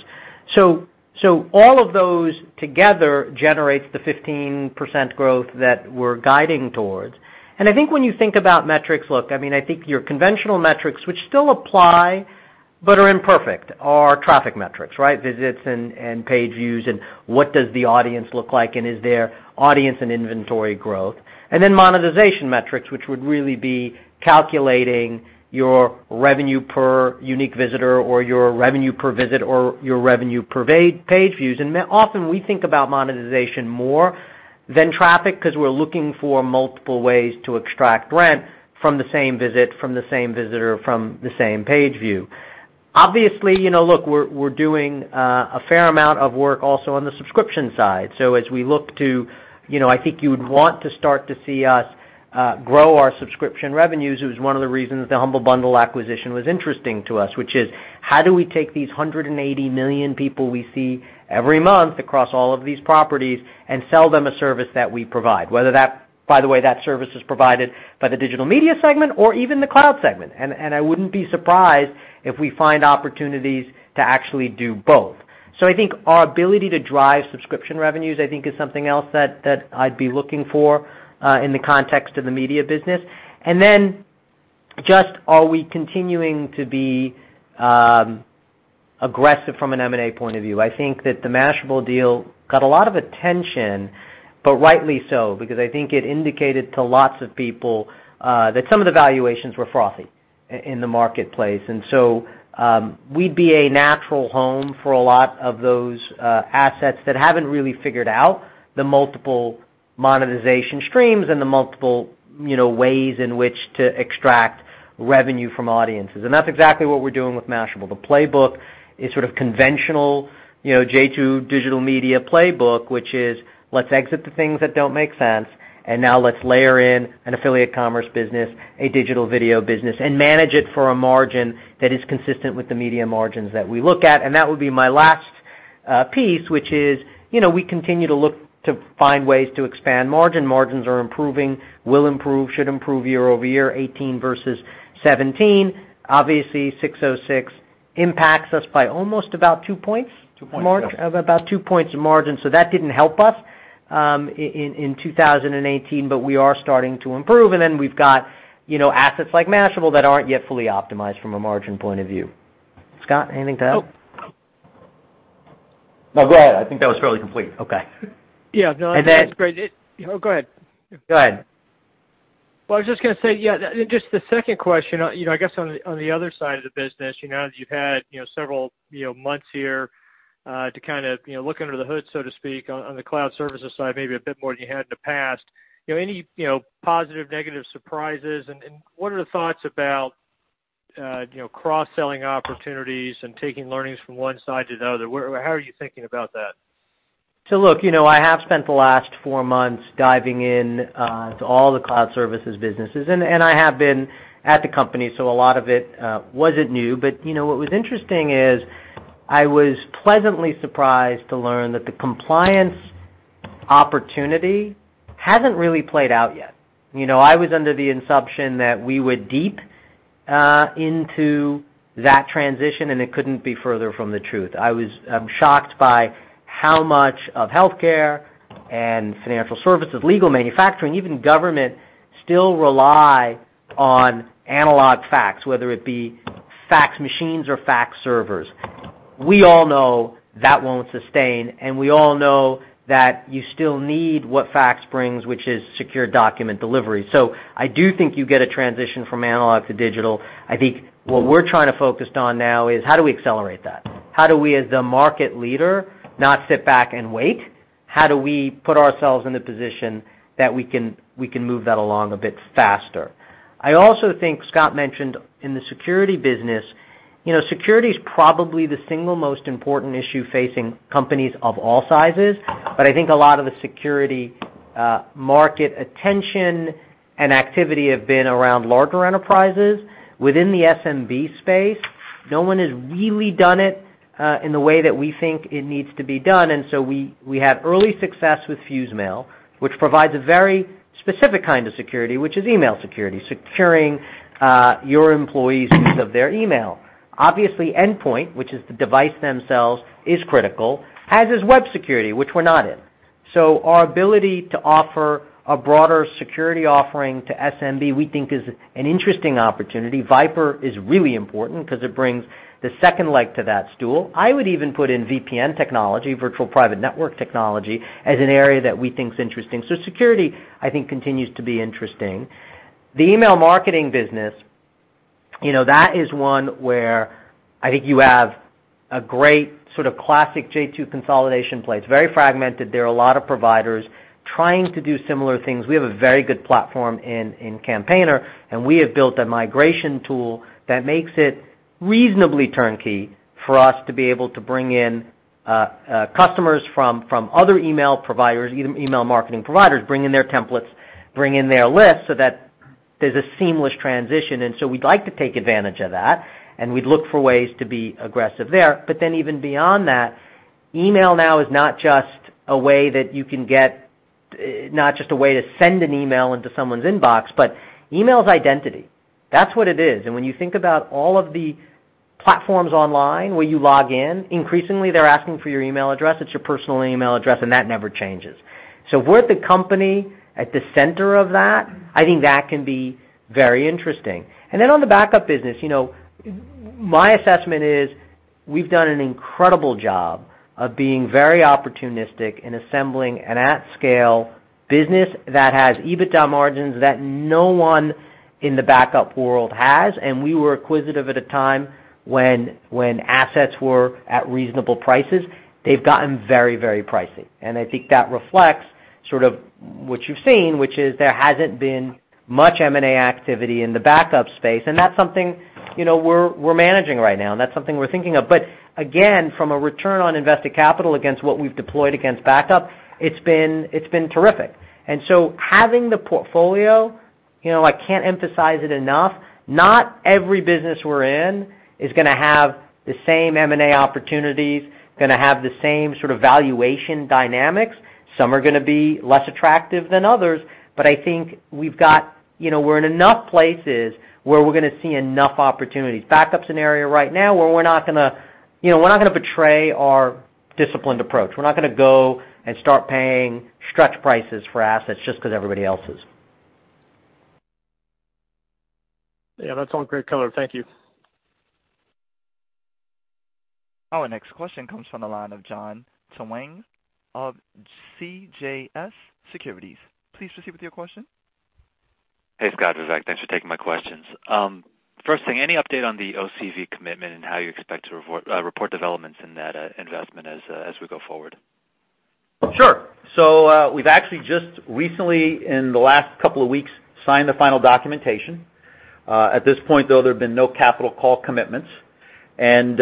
C: All of those together generates the 15% growth that we're guiding towards. I think when you think about metrics, look, I think your conventional metrics, which still apply but are imperfect, are traffic metrics, right? Visits and page views, and what does the audience look like, and is there audience and inventory growth? Then monetization metrics, which would really be calculating your revenue per unique visitor or your revenue per visit or your revenue per page views. Often we think about monetization more than traffic because we're looking for multiple ways to extract rent from the same visit, from the same visitor, from the same page view. Obviously, look, we're doing a fair amount of work also on the subscription side. As we look to, I think you would want to start to see us grow our subscription revenues. It was one of the reasons the Humble Bundle acquisition was interesting to us, which is how do we take these 180 million people we see every month across all of these properties and sell them a service that we provide, whether that, by the way, that service is provided by the digital media segment or even the cloud segment. I wouldn't be surprised if we find opportunities to actually do both. I think our ability to drive subscription revenues, I think is something else that I'd be looking for in the context of the media business. Then just are we continuing to be aggressive from an M&A point of view? I think that the Mashable deal got a lot of attention, but rightly so, because I think it indicated to lots of people that some of the valuations were frothy in the marketplace. We'd be a natural home for a lot of those assets that haven't really figured out the multiple monetization streams and the multiple ways in which to extract revenue from audiences. That's exactly what we're doing with Mashable. The playbook is sort of conventional, j2 digital media playbook, which is let's exit the things that don't make sense, now let's layer in an affiliate commerce business, a digital video business, and manage it for a margin that is consistent with the media margins that we look at. That would be my last piece, which is, we continue to look to find ways to expand margin. Margins are improving, will improve, should improve year-over-year, 2018 versus 2017. Obviously, 606 impacts us by almost about two points.
F: Two points, yeah.
C: About two points of margin. That didn't help us, in 2018, but we are starting to improve. Then we've got assets like Mashable that aren't yet fully optimized from a margin point of view. Scott, anything to add?
B: No. No, go ahead. I think that was fairly complete. Okay.
F: Yeah, no, I think that's great. And then- Oh, go ahead.
C: Go ahead.
F: Well, I was just going to say, yeah, just the second question, I guess on the other side of the business, as you've had several months here to kind of look under the hood, so to speak, on the cloud services side maybe a bit more than you had in the past. Any positive, negative surprises? What are the thoughts about cross-selling opportunities and taking learnings from one side to the other? How are you thinking about that?
C: Look, I have spent the last four months diving in to all the cloud services businesses, and I have been at the company, so a lot of it wasn't new. What was interesting is I was pleasantly surprised to learn that the compliance opportunity hasn't really played out yet. I was under the assumption that we were deep into that transition, and it couldn't be further from the truth. I'm shocked by how much of healthcare and financial services, legal, manufacturing, even government still rely on analog fax, whether it be fax machines or fax servers. We all know that won't sustain, and we all know that you still need what fax brings, which is secure document delivery. I do think you get a transition from analog to digital. I think what we're trying to focus on now is how do we accelerate that? How do we, as the market leader, not sit back and wait? How do we put ourselves in the position that we can move that along a bit faster? I also think Scott mentioned in the security business, security's probably the single most important issue facing companies of all sizes. I think a lot of the security market attention and activity have been around larger enterprises. Within the SMB space, no one has really done it in the way that we think it needs to be done. We had early success with FuseMail, which provides a very specific kind of security, which is email security, securing your employees' use of their email. Obviously, endpoint, which is the device themselves, is critical, as is web security, which we're not in. Our ability to offer a broader security offering to SMB, we think is an interesting opportunity. VIPRE is really important because it brings the second leg to that stool. I would even put in VPN technology, virtual private network technology, as an area that we think is interesting. Security, I think continues to be interesting. The email marketing business That is one where I think you have a great sort of classic j2 consolidation play. It's very fragmented. There are a lot of providers trying to do similar things. We have a very good platform in Campaigner, and we have built a migration tool that makes it reasonably turnkey for us to be able to bring in customers from other email marketing providers, bring in their templates, bring in their lists, so that there's a seamless transition. We'd like to take advantage of that, and we'd look for ways to be aggressive there. email now is not just a way to send an email into someone's inbox, but email is identity. That's what it is. When you think about all of the platforms online where you log in, increasingly, they're asking for your email address. It's your personal email address, and that never changes. We're the company at the center of that. I think that can be very interesting. On the backup business, my assessment is we've done an incredible job of being very opportunistic in assembling an at-scale business that has EBITDA margins that no one in the backup world has, and we were acquisitive at a time when assets were at reasonable prices. They've gotten very pricey. I think that reflects sort of what you've seen, which is there hasn't been much M&A activity in the backup space, and that's something we're managing right now, and that's something we're thinking of. Again, from a return on invested capital against what we've deployed against backup, it's been terrific. Having the portfolio, I can't emphasize it enough, not every business we're in is going to have the same M&A opportunities, going to have the same sort of valuation dynamics. Some are going to be less attractive than others, but I think we're in enough places where we're going to see enough opportunities. Backup's an area right now where we're not going to betray our disciplined approach. We're not going to go and start paying stretch prices for assets just because everybody else is.
F: Yeah, that's all great color. Thank you.
A: Our next question comes from the line of Jon Tanwanteng of CJS Securities. Please proceed with your question.
G: Hey, Scott. Vivek. Thanks for taking my questions. First thing, any update on the OCV commitment and how you expect to report developments in that investment as we go forward?
C: Sure. We've actually just recently, in the last couple of weeks, signed the final documentation. At this point, though, there have been no capital call commitments. We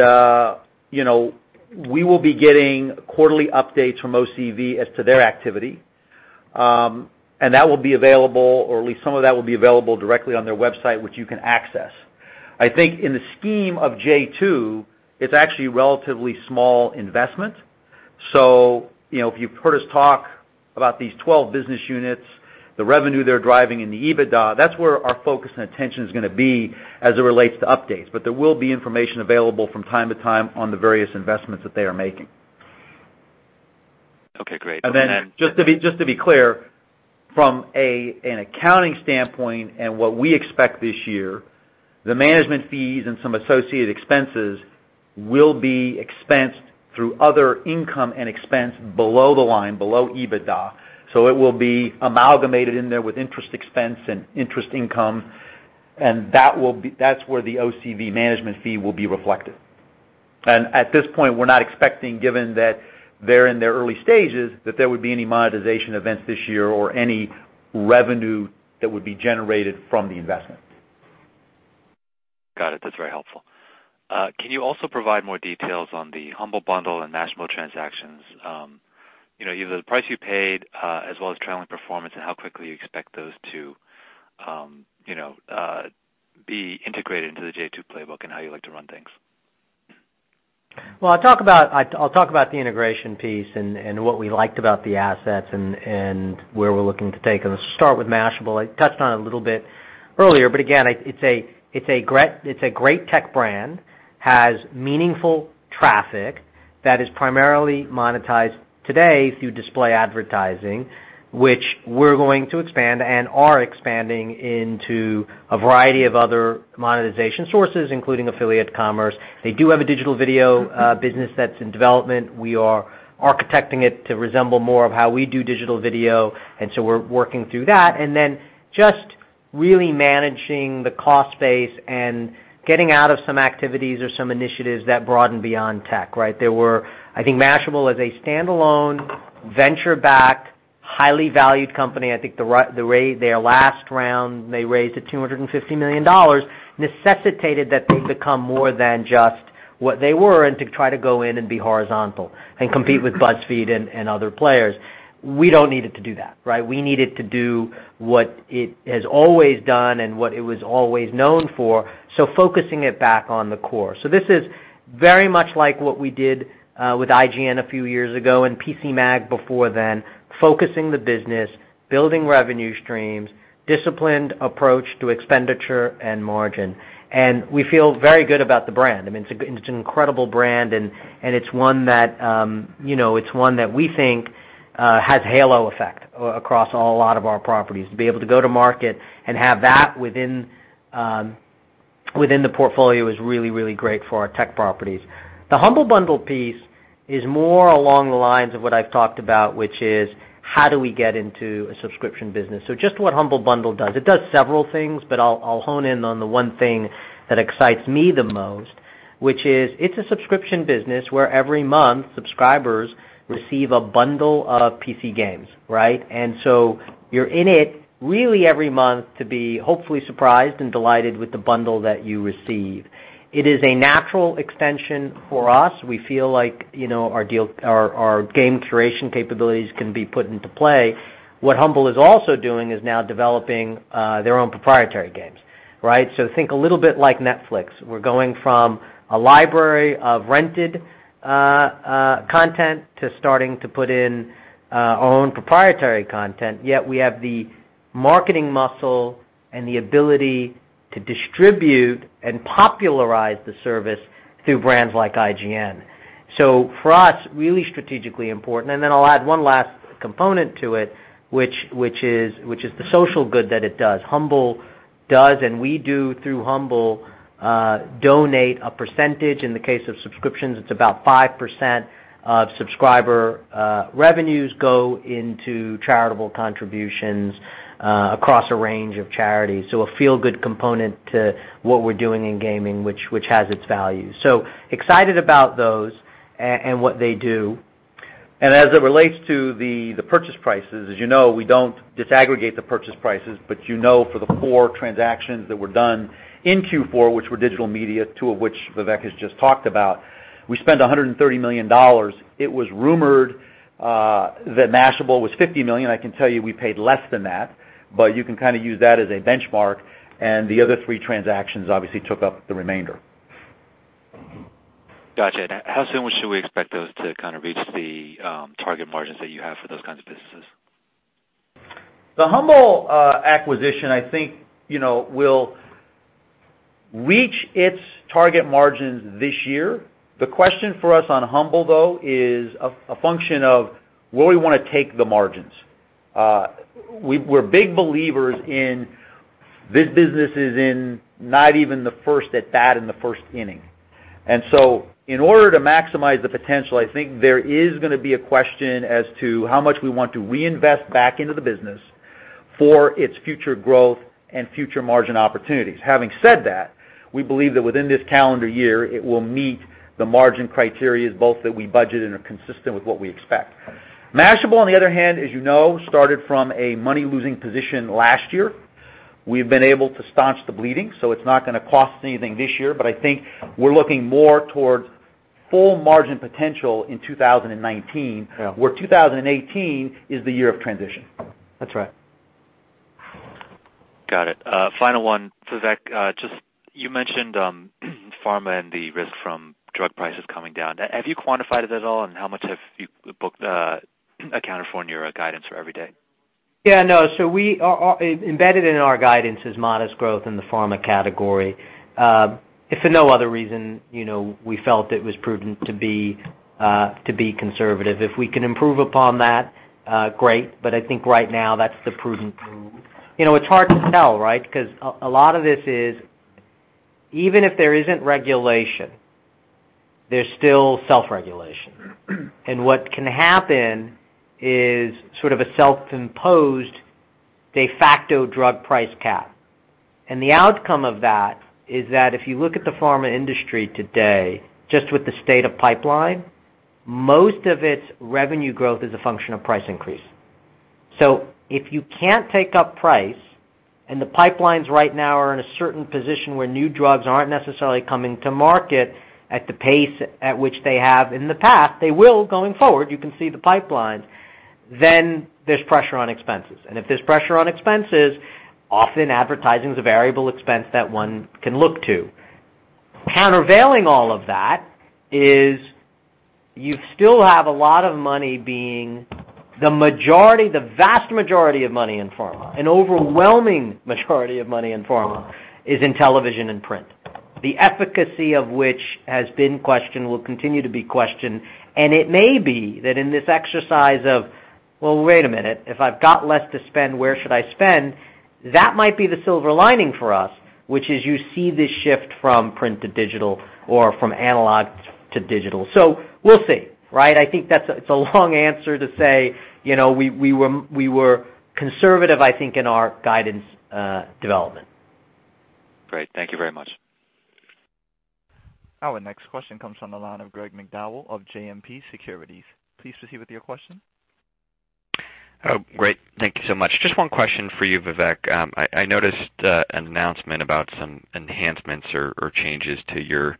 C: will be getting quarterly updates from OCV as to their activity. That will be available, or at least some of that will be available directly on their website, which you can access. I think in the scheme of j2, it's actually a relatively small investment. If you've heard us talk about these 12 business units, the revenue they're driving in the EBITDA, that's where our focus and attention is going to be as it relates to updates. There will be information available from time to time on the various investments that they are making.
G: Okay, great.
C: Just to be clear, from an accounting standpoint and what we expect this year, the management fees and some associated expenses will be expensed through other income and expense below the line, below EBITDA. It will be amalgamated in there with interest expense and interest income, and that's where the OCV management fee will be reflected. At this point, we're not expecting, given that they're in their early stages, that there would be any monetization events this year or any revenue that would be generated from the investment.
G: Got it. That's very helpful. Can you also provide more details on the Humble Bundle and Mashable transactions? Either the price you paid, as well as trailing performance and how quickly you expect those to be integrated into the j2 playbook and how you like to run things.
C: Well, I'll talk about the integration piece and what we liked about the assets and where we're looking to take them. Let's start with Mashable. I touched on it a little bit earlier, but again, it's a great tech brand, has meaningful traffic that is primarily monetized today through display advertising, which we're going to expand and are expanding into a variety of other monetization sources, including affiliate commerce. They do have a digital video business that's in development. We are architecting it to resemble more of how we do digital video, we're working through that. Just really managing the cost base and getting out of some activities or some initiatives that broaden beyond tech, right? I think Mashable as a standalone, venture-backed, highly valued company, I think their last round, they raised it $250 million, necessitated that they become more than just what they were and to try to go in and be horizontal and compete with BuzzFeed and other players. We don't need it to do that, right? We need it to do what it has always done and what it was always known for, focusing it back on the core. This is very much like what we did with IGN a few years ago and PCMag before then, focusing the business, building revenue streams, disciplined approach to expenditure and margin. We feel very good about the brand. I mean, it's an incredible brand, and it's one that we think has halo effect across a lot of our properties. To be able to go to market and have that within the portfolio is really great for our tech properties. The Humble Bundle piece is more along the lines of what I've talked about, which is how do we get into a subscription business? Just what Humble Bundle does. It does several things, but I'll hone in on the one thing that excites me the most, which is it's a subscription business where every month subscribers receive a bundle of PC games, right? You're in it really every month to be hopefully surprised and delighted with the bundle that you receive. It is a natural extension for us. We feel like our game curation capabilities can be put into play. What Humble is also doing is now developing their own proprietary games, right? Think a little bit like Netflix. We're going from a library of rented content to starting to put in our own proprietary content, yet we have the marketing muscle and the ability to distribute and popularize the service through brands like IGN. For us, really strategically important, and then I'll add one last component to it, which is the social good that it does. Humble does, and we do through Humble, donate a percentage. In the case of subscriptions, it's about 5% of subscriber revenues go into charitable contributions across a range of charities. A feel-good component to what we're doing in gaming, which has its value. Excited about those and what they do.
B: As it relates to the purchase prices, as you know, we don't disaggregate the purchase prices, but you know for the four transactions that were done in Q4, which were digital media, two of which Vivek has just talked about, we spent $130 million. It was rumored that Mashable was $50 million. I can tell you we paid less than that, but you can kind of use that as a benchmark, the other three transactions obviously took up the remainder.
G: Got you. How soon should we expect those to kind of reach the target margins that you have for those kinds of businesses?
B: The Humble acquisition, I think, will reach its target margins this year. The question for us on Humble, though, is a function of where we want to take the margins. We're big believers in this business is in not even the first at bat in the first inning. In order to maximize the potential, I think there is going to be a question as to how much we want to reinvest back into the business for its future growth and future margin opportunities. Having said that, we believe that within this calendar year, it will meet the margin criterias both that we budget and are consistent with what we expect. Mashable, on the other hand, as you know, started from a money-losing position last year. We've been able to staunch the bleeding, so it's not going to cost anything this year. I think we're looking more towards full margin potential in 2019.
C: Yeah
B: Where 2018 is the year of transition.
C: That's right.
G: Got it. Final one. Vivek, you mentioned pharma and the risk from drug prices coming down. Have you quantified it at all, and how much have you accounted for in your guidance for Everyday Health?
C: Embedded in our guidance is modest growth in the pharma category. If for no other reason, we felt it was prudent to be conservative. If we can improve upon that, great, but I think right now that's the prudent move. It's hard to tell, right? Because a lot of this is even if there isn't regulation, there's still self-regulation. What can happen is sort of a self-imposed de facto drug price cap. The outcome of that is that if you look at the pharma industry today, just with the state of pipeline, most of its revenue growth is a function of price increase. If you can't take up price and the pipelines right now are in a certain position where new drugs aren't necessarily coming to market at the pace at which they have in the past, they will going forward, you can see the pipeline, there's pressure on expenses. If there's pressure on expenses, often advertising is a variable expense that one can look to. Countervailing all of that is you still have a lot of money being the vast majority of money in pharma. An overwhelming majority of money in pharma is in television and print. The efficacy of which has been questioned will continue to be questioned, and it may be that in this exercise of, "Well, wait a minute. If I've got less to spend, where should I spend?" That might be the silver lining for us, which is you see this shift from print to digital or from analog to digital. We'll see, right? I think that it's a long answer to say we were conservative, I think, in our guidance development.
G: Great. Thank you very much.
A: Our next question comes from the line of Greg McDowell of JMP Securities. Please proceed with your question.
H: Oh, great. Thank you so much. Just one question for you, Vivek. I noticed an announcement about some enhancements or changes to your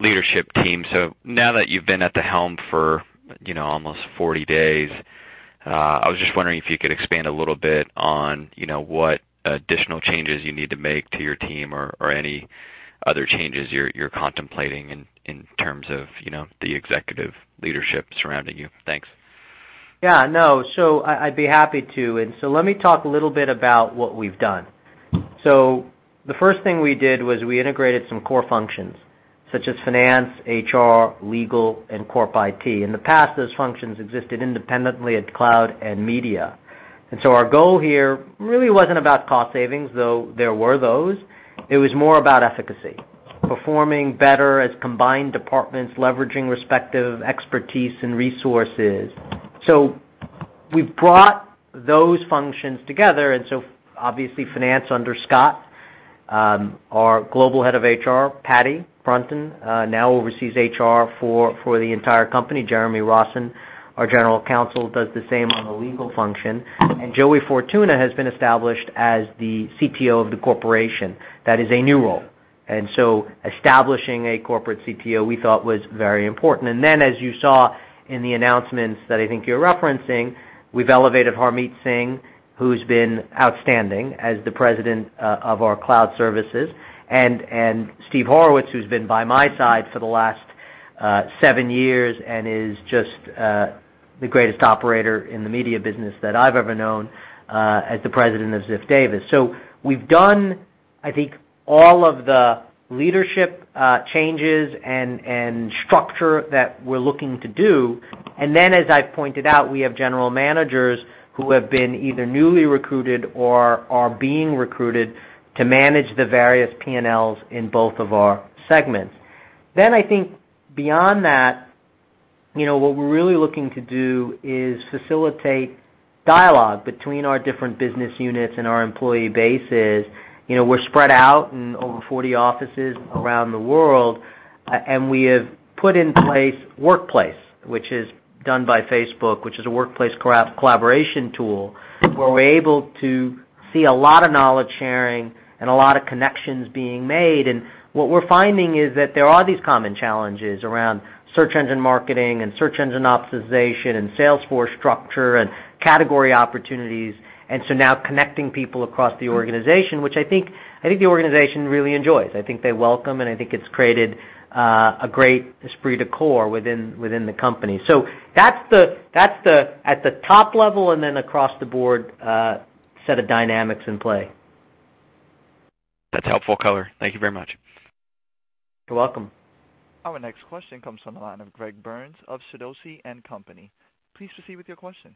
H: leadership team. Now that you've been at the helm for almost 40 days, I was just wondering if you could expand a little bit on what additional changes you need to make to your team or any other changes you're contemplating in terms of the executive leadership surrounding you. Thanks.
C: Yeah. No. I'd be happy to. Let me talk a little bit about what we've done. The first thing we did was we integrated some core functions such as finance, HR, legal, and corp IT. In the past, those functions existed independently at cloud and media. Our goal here really wasn't about cost savings, though there were those. It was more about efficacy, performing better as combined departments, leveraging respective expertise and resources. We've brought those functions together, obviously finance under Scott, our global head of HR, Patty Brunton, now oversees HR for the entire company. Jeremy Rossen, our General Counsel, does the same on the legal function, and Joey Fortuna has been established as the CTO of the corporation. That is a new role, establishing a corporate CTO we thought was very important. Then, as you saw in the announcements that I think you're referencing, we've elevated Harmeet Singh, who's been outstanding as the President of our cloud services, and Steve Horowitz, who's been by my side for the last seven years and is just the greatest operator in the media business that I've ever known, as the President of Ziff Davis. We've done, I think, all of the leadership changes and structure that we're looking to do. Then, as I pointed out, we have general managers who have been either newly recruited or are being recruited to manage the various P&Ls in both of our segments. I think beyond that, what we're really looking to do is facilitate dialogue between our different business units and our employee bases. We're spread out in over 40 offices around the world, we have put in place Workplace, which is done by Facebook, which is a workplace collaboration tool where we're able to see a lot of knowledge sharing and a lot of connections being made. What we're finding is that there are these common challenges around search engine marketing and search engine optimization and sales force structure and category opportunities. Now connecting people across the organization, which I think the organization really enjoys. I think they welcome, and I think it's created a great esprit de corps within the company. That's at the top level and then across the board set of dynamics in play.
H: That's helpful color. Thank you very much.
C: You're welcome.
A: Our next question comes from the line of Greg Burns of Sidoti & Company. Please proceed with your question.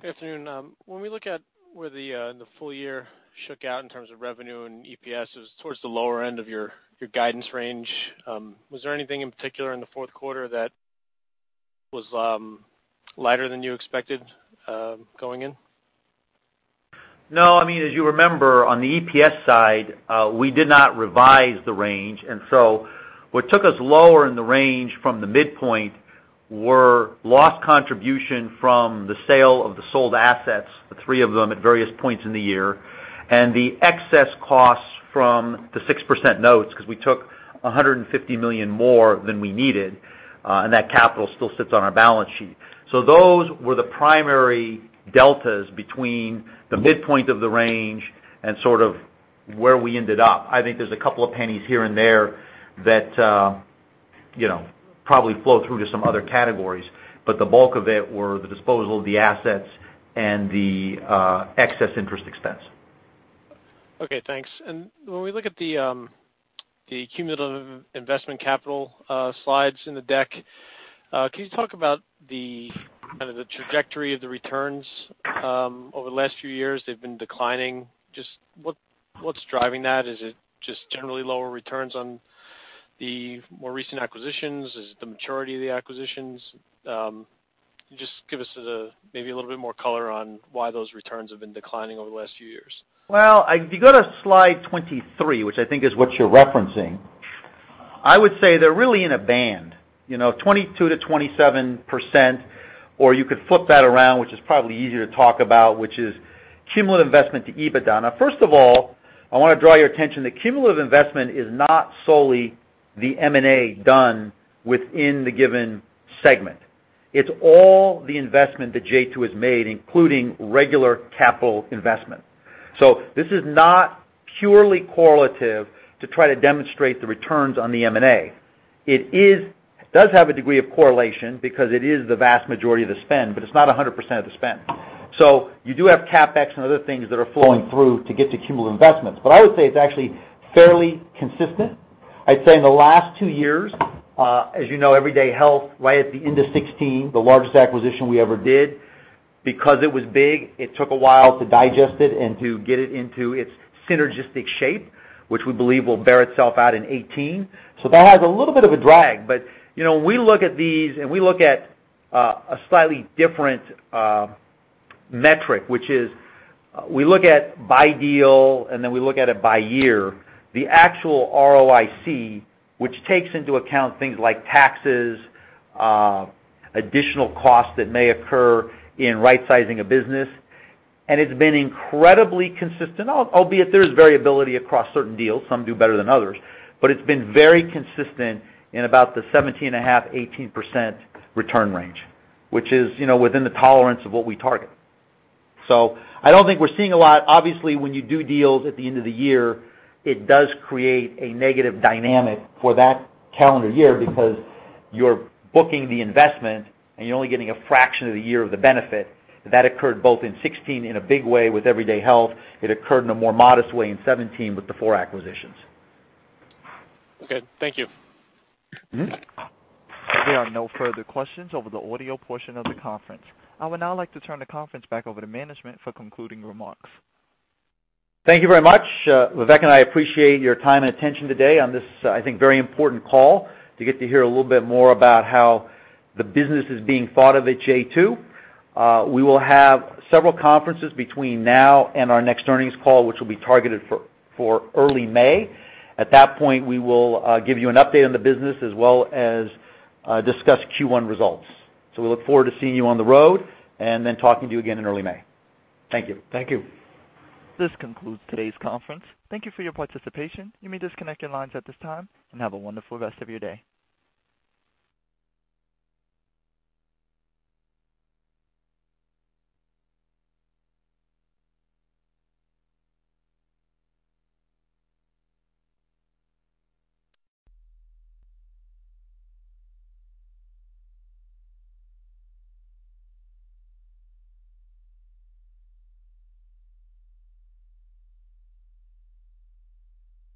I: Good afternoon. When we look at where the full year shook out in terms of revenue and EPS is towards the lower end of your guidance range, was there anything in particular in the fourth quarter that was lighter than you expected going in?
B: No. As you remember, on the EPS side, we did not revise the range, and so what took us lower in the range from the midpoint were loss contribution from the sale of the sold assets, the three of them at various points in the year, and the excess costs from the 6% notes, because we took $150 million more than we needed, and that capital still sits on our balance sheet. Those were the primary deltas between the midpoint of the range and sort of where we ended up. I think there's a couple of pennies here and there that probably flow through to some other categories, but the bulk of it were the disposal of the assets and the excess interest expense.
I: Okay, thanks. When we look at the cumulative investment capital slides in the deck, can you talk about the trajectory of the returns over the last few years? They've been declining. Just what's driving that? Is it just generally lower returns on the more recent acquisitions? Is it the maturity of the acquisitions? Can you just give us maybe a little bit more color on why those returns have been declining over the last few years?
B: Well, if you go to slide 23, which I think is what you're referencing, I would say they're really in a band, 22%-27%, or you could flip that around, which is probably easier to talk about, which is cumulative investment to EBITDA. Now, first of all, I want to draw your attention that cumulative investment is not solely the M&A done within the given segment. It's all the investment that j2 has made, including regular capital investment. This is not purely correlative to try to demonstrate the returns on the M&A. It does have a degree of correlation because it is the vast majority of the spend, but it's not 100% of the spend. You do have CapEx and other things that are flowing through to get to cumulative investments, but I would say it's actually fairly consistent.
C: I'd say in the last two years, as you know, Everyday Health right at the end of 2016, the largest acquisition we ever did. Because it was big, it took a while to digest it and to get it into its synergistic shape, which we believe will bear itself out in 2018. That has a little bit of a drag, but when we look at these and we look at a slightly different metric, which is we look at by deal and then we look at it by year, the actual ROIC, which takes into account things like taxes, additional costs that may occur in right-sizing a business, and it's been incredibly consistent. Albeit there is variability across certain deals. Some do better than others. It's been very consistent in about the 17.5%-18% return range, which is within the tolerance of what we target. I don't think we're seeing a lot. Obviously, when you do deals at the end of the year, it does create a negative dynamic for that calendar year because you're booking the investment and you're only getting a fraction of the year of the benefit. That occurred both in 2016 in a big way with Everyday Health. It occurred in a more modest way in 2017 with the four acquisitions.
I: Okay. Thank you.
A: There are no further questions over the audio portion of the conference. I would now like to turn the conference back over to management for concluding remarks.
B: Thank you very much. Vivek and I appreciate your time and attention today on this, I think, very important call to get to hear a little bit more about how the business is being thought of at j2. We will have several conferences between now and our next earnings call, which will be targeted for early May. At that point, we will give you an update on the business as well as discuss Q1 results. We look forward to seeing you on the road and then talking to you again in early May. Thank you.
A: Thank you. This concludes today's conference. Thank you for your participation. You may disconnect your lines at this time, and have a wonderful rest of your day.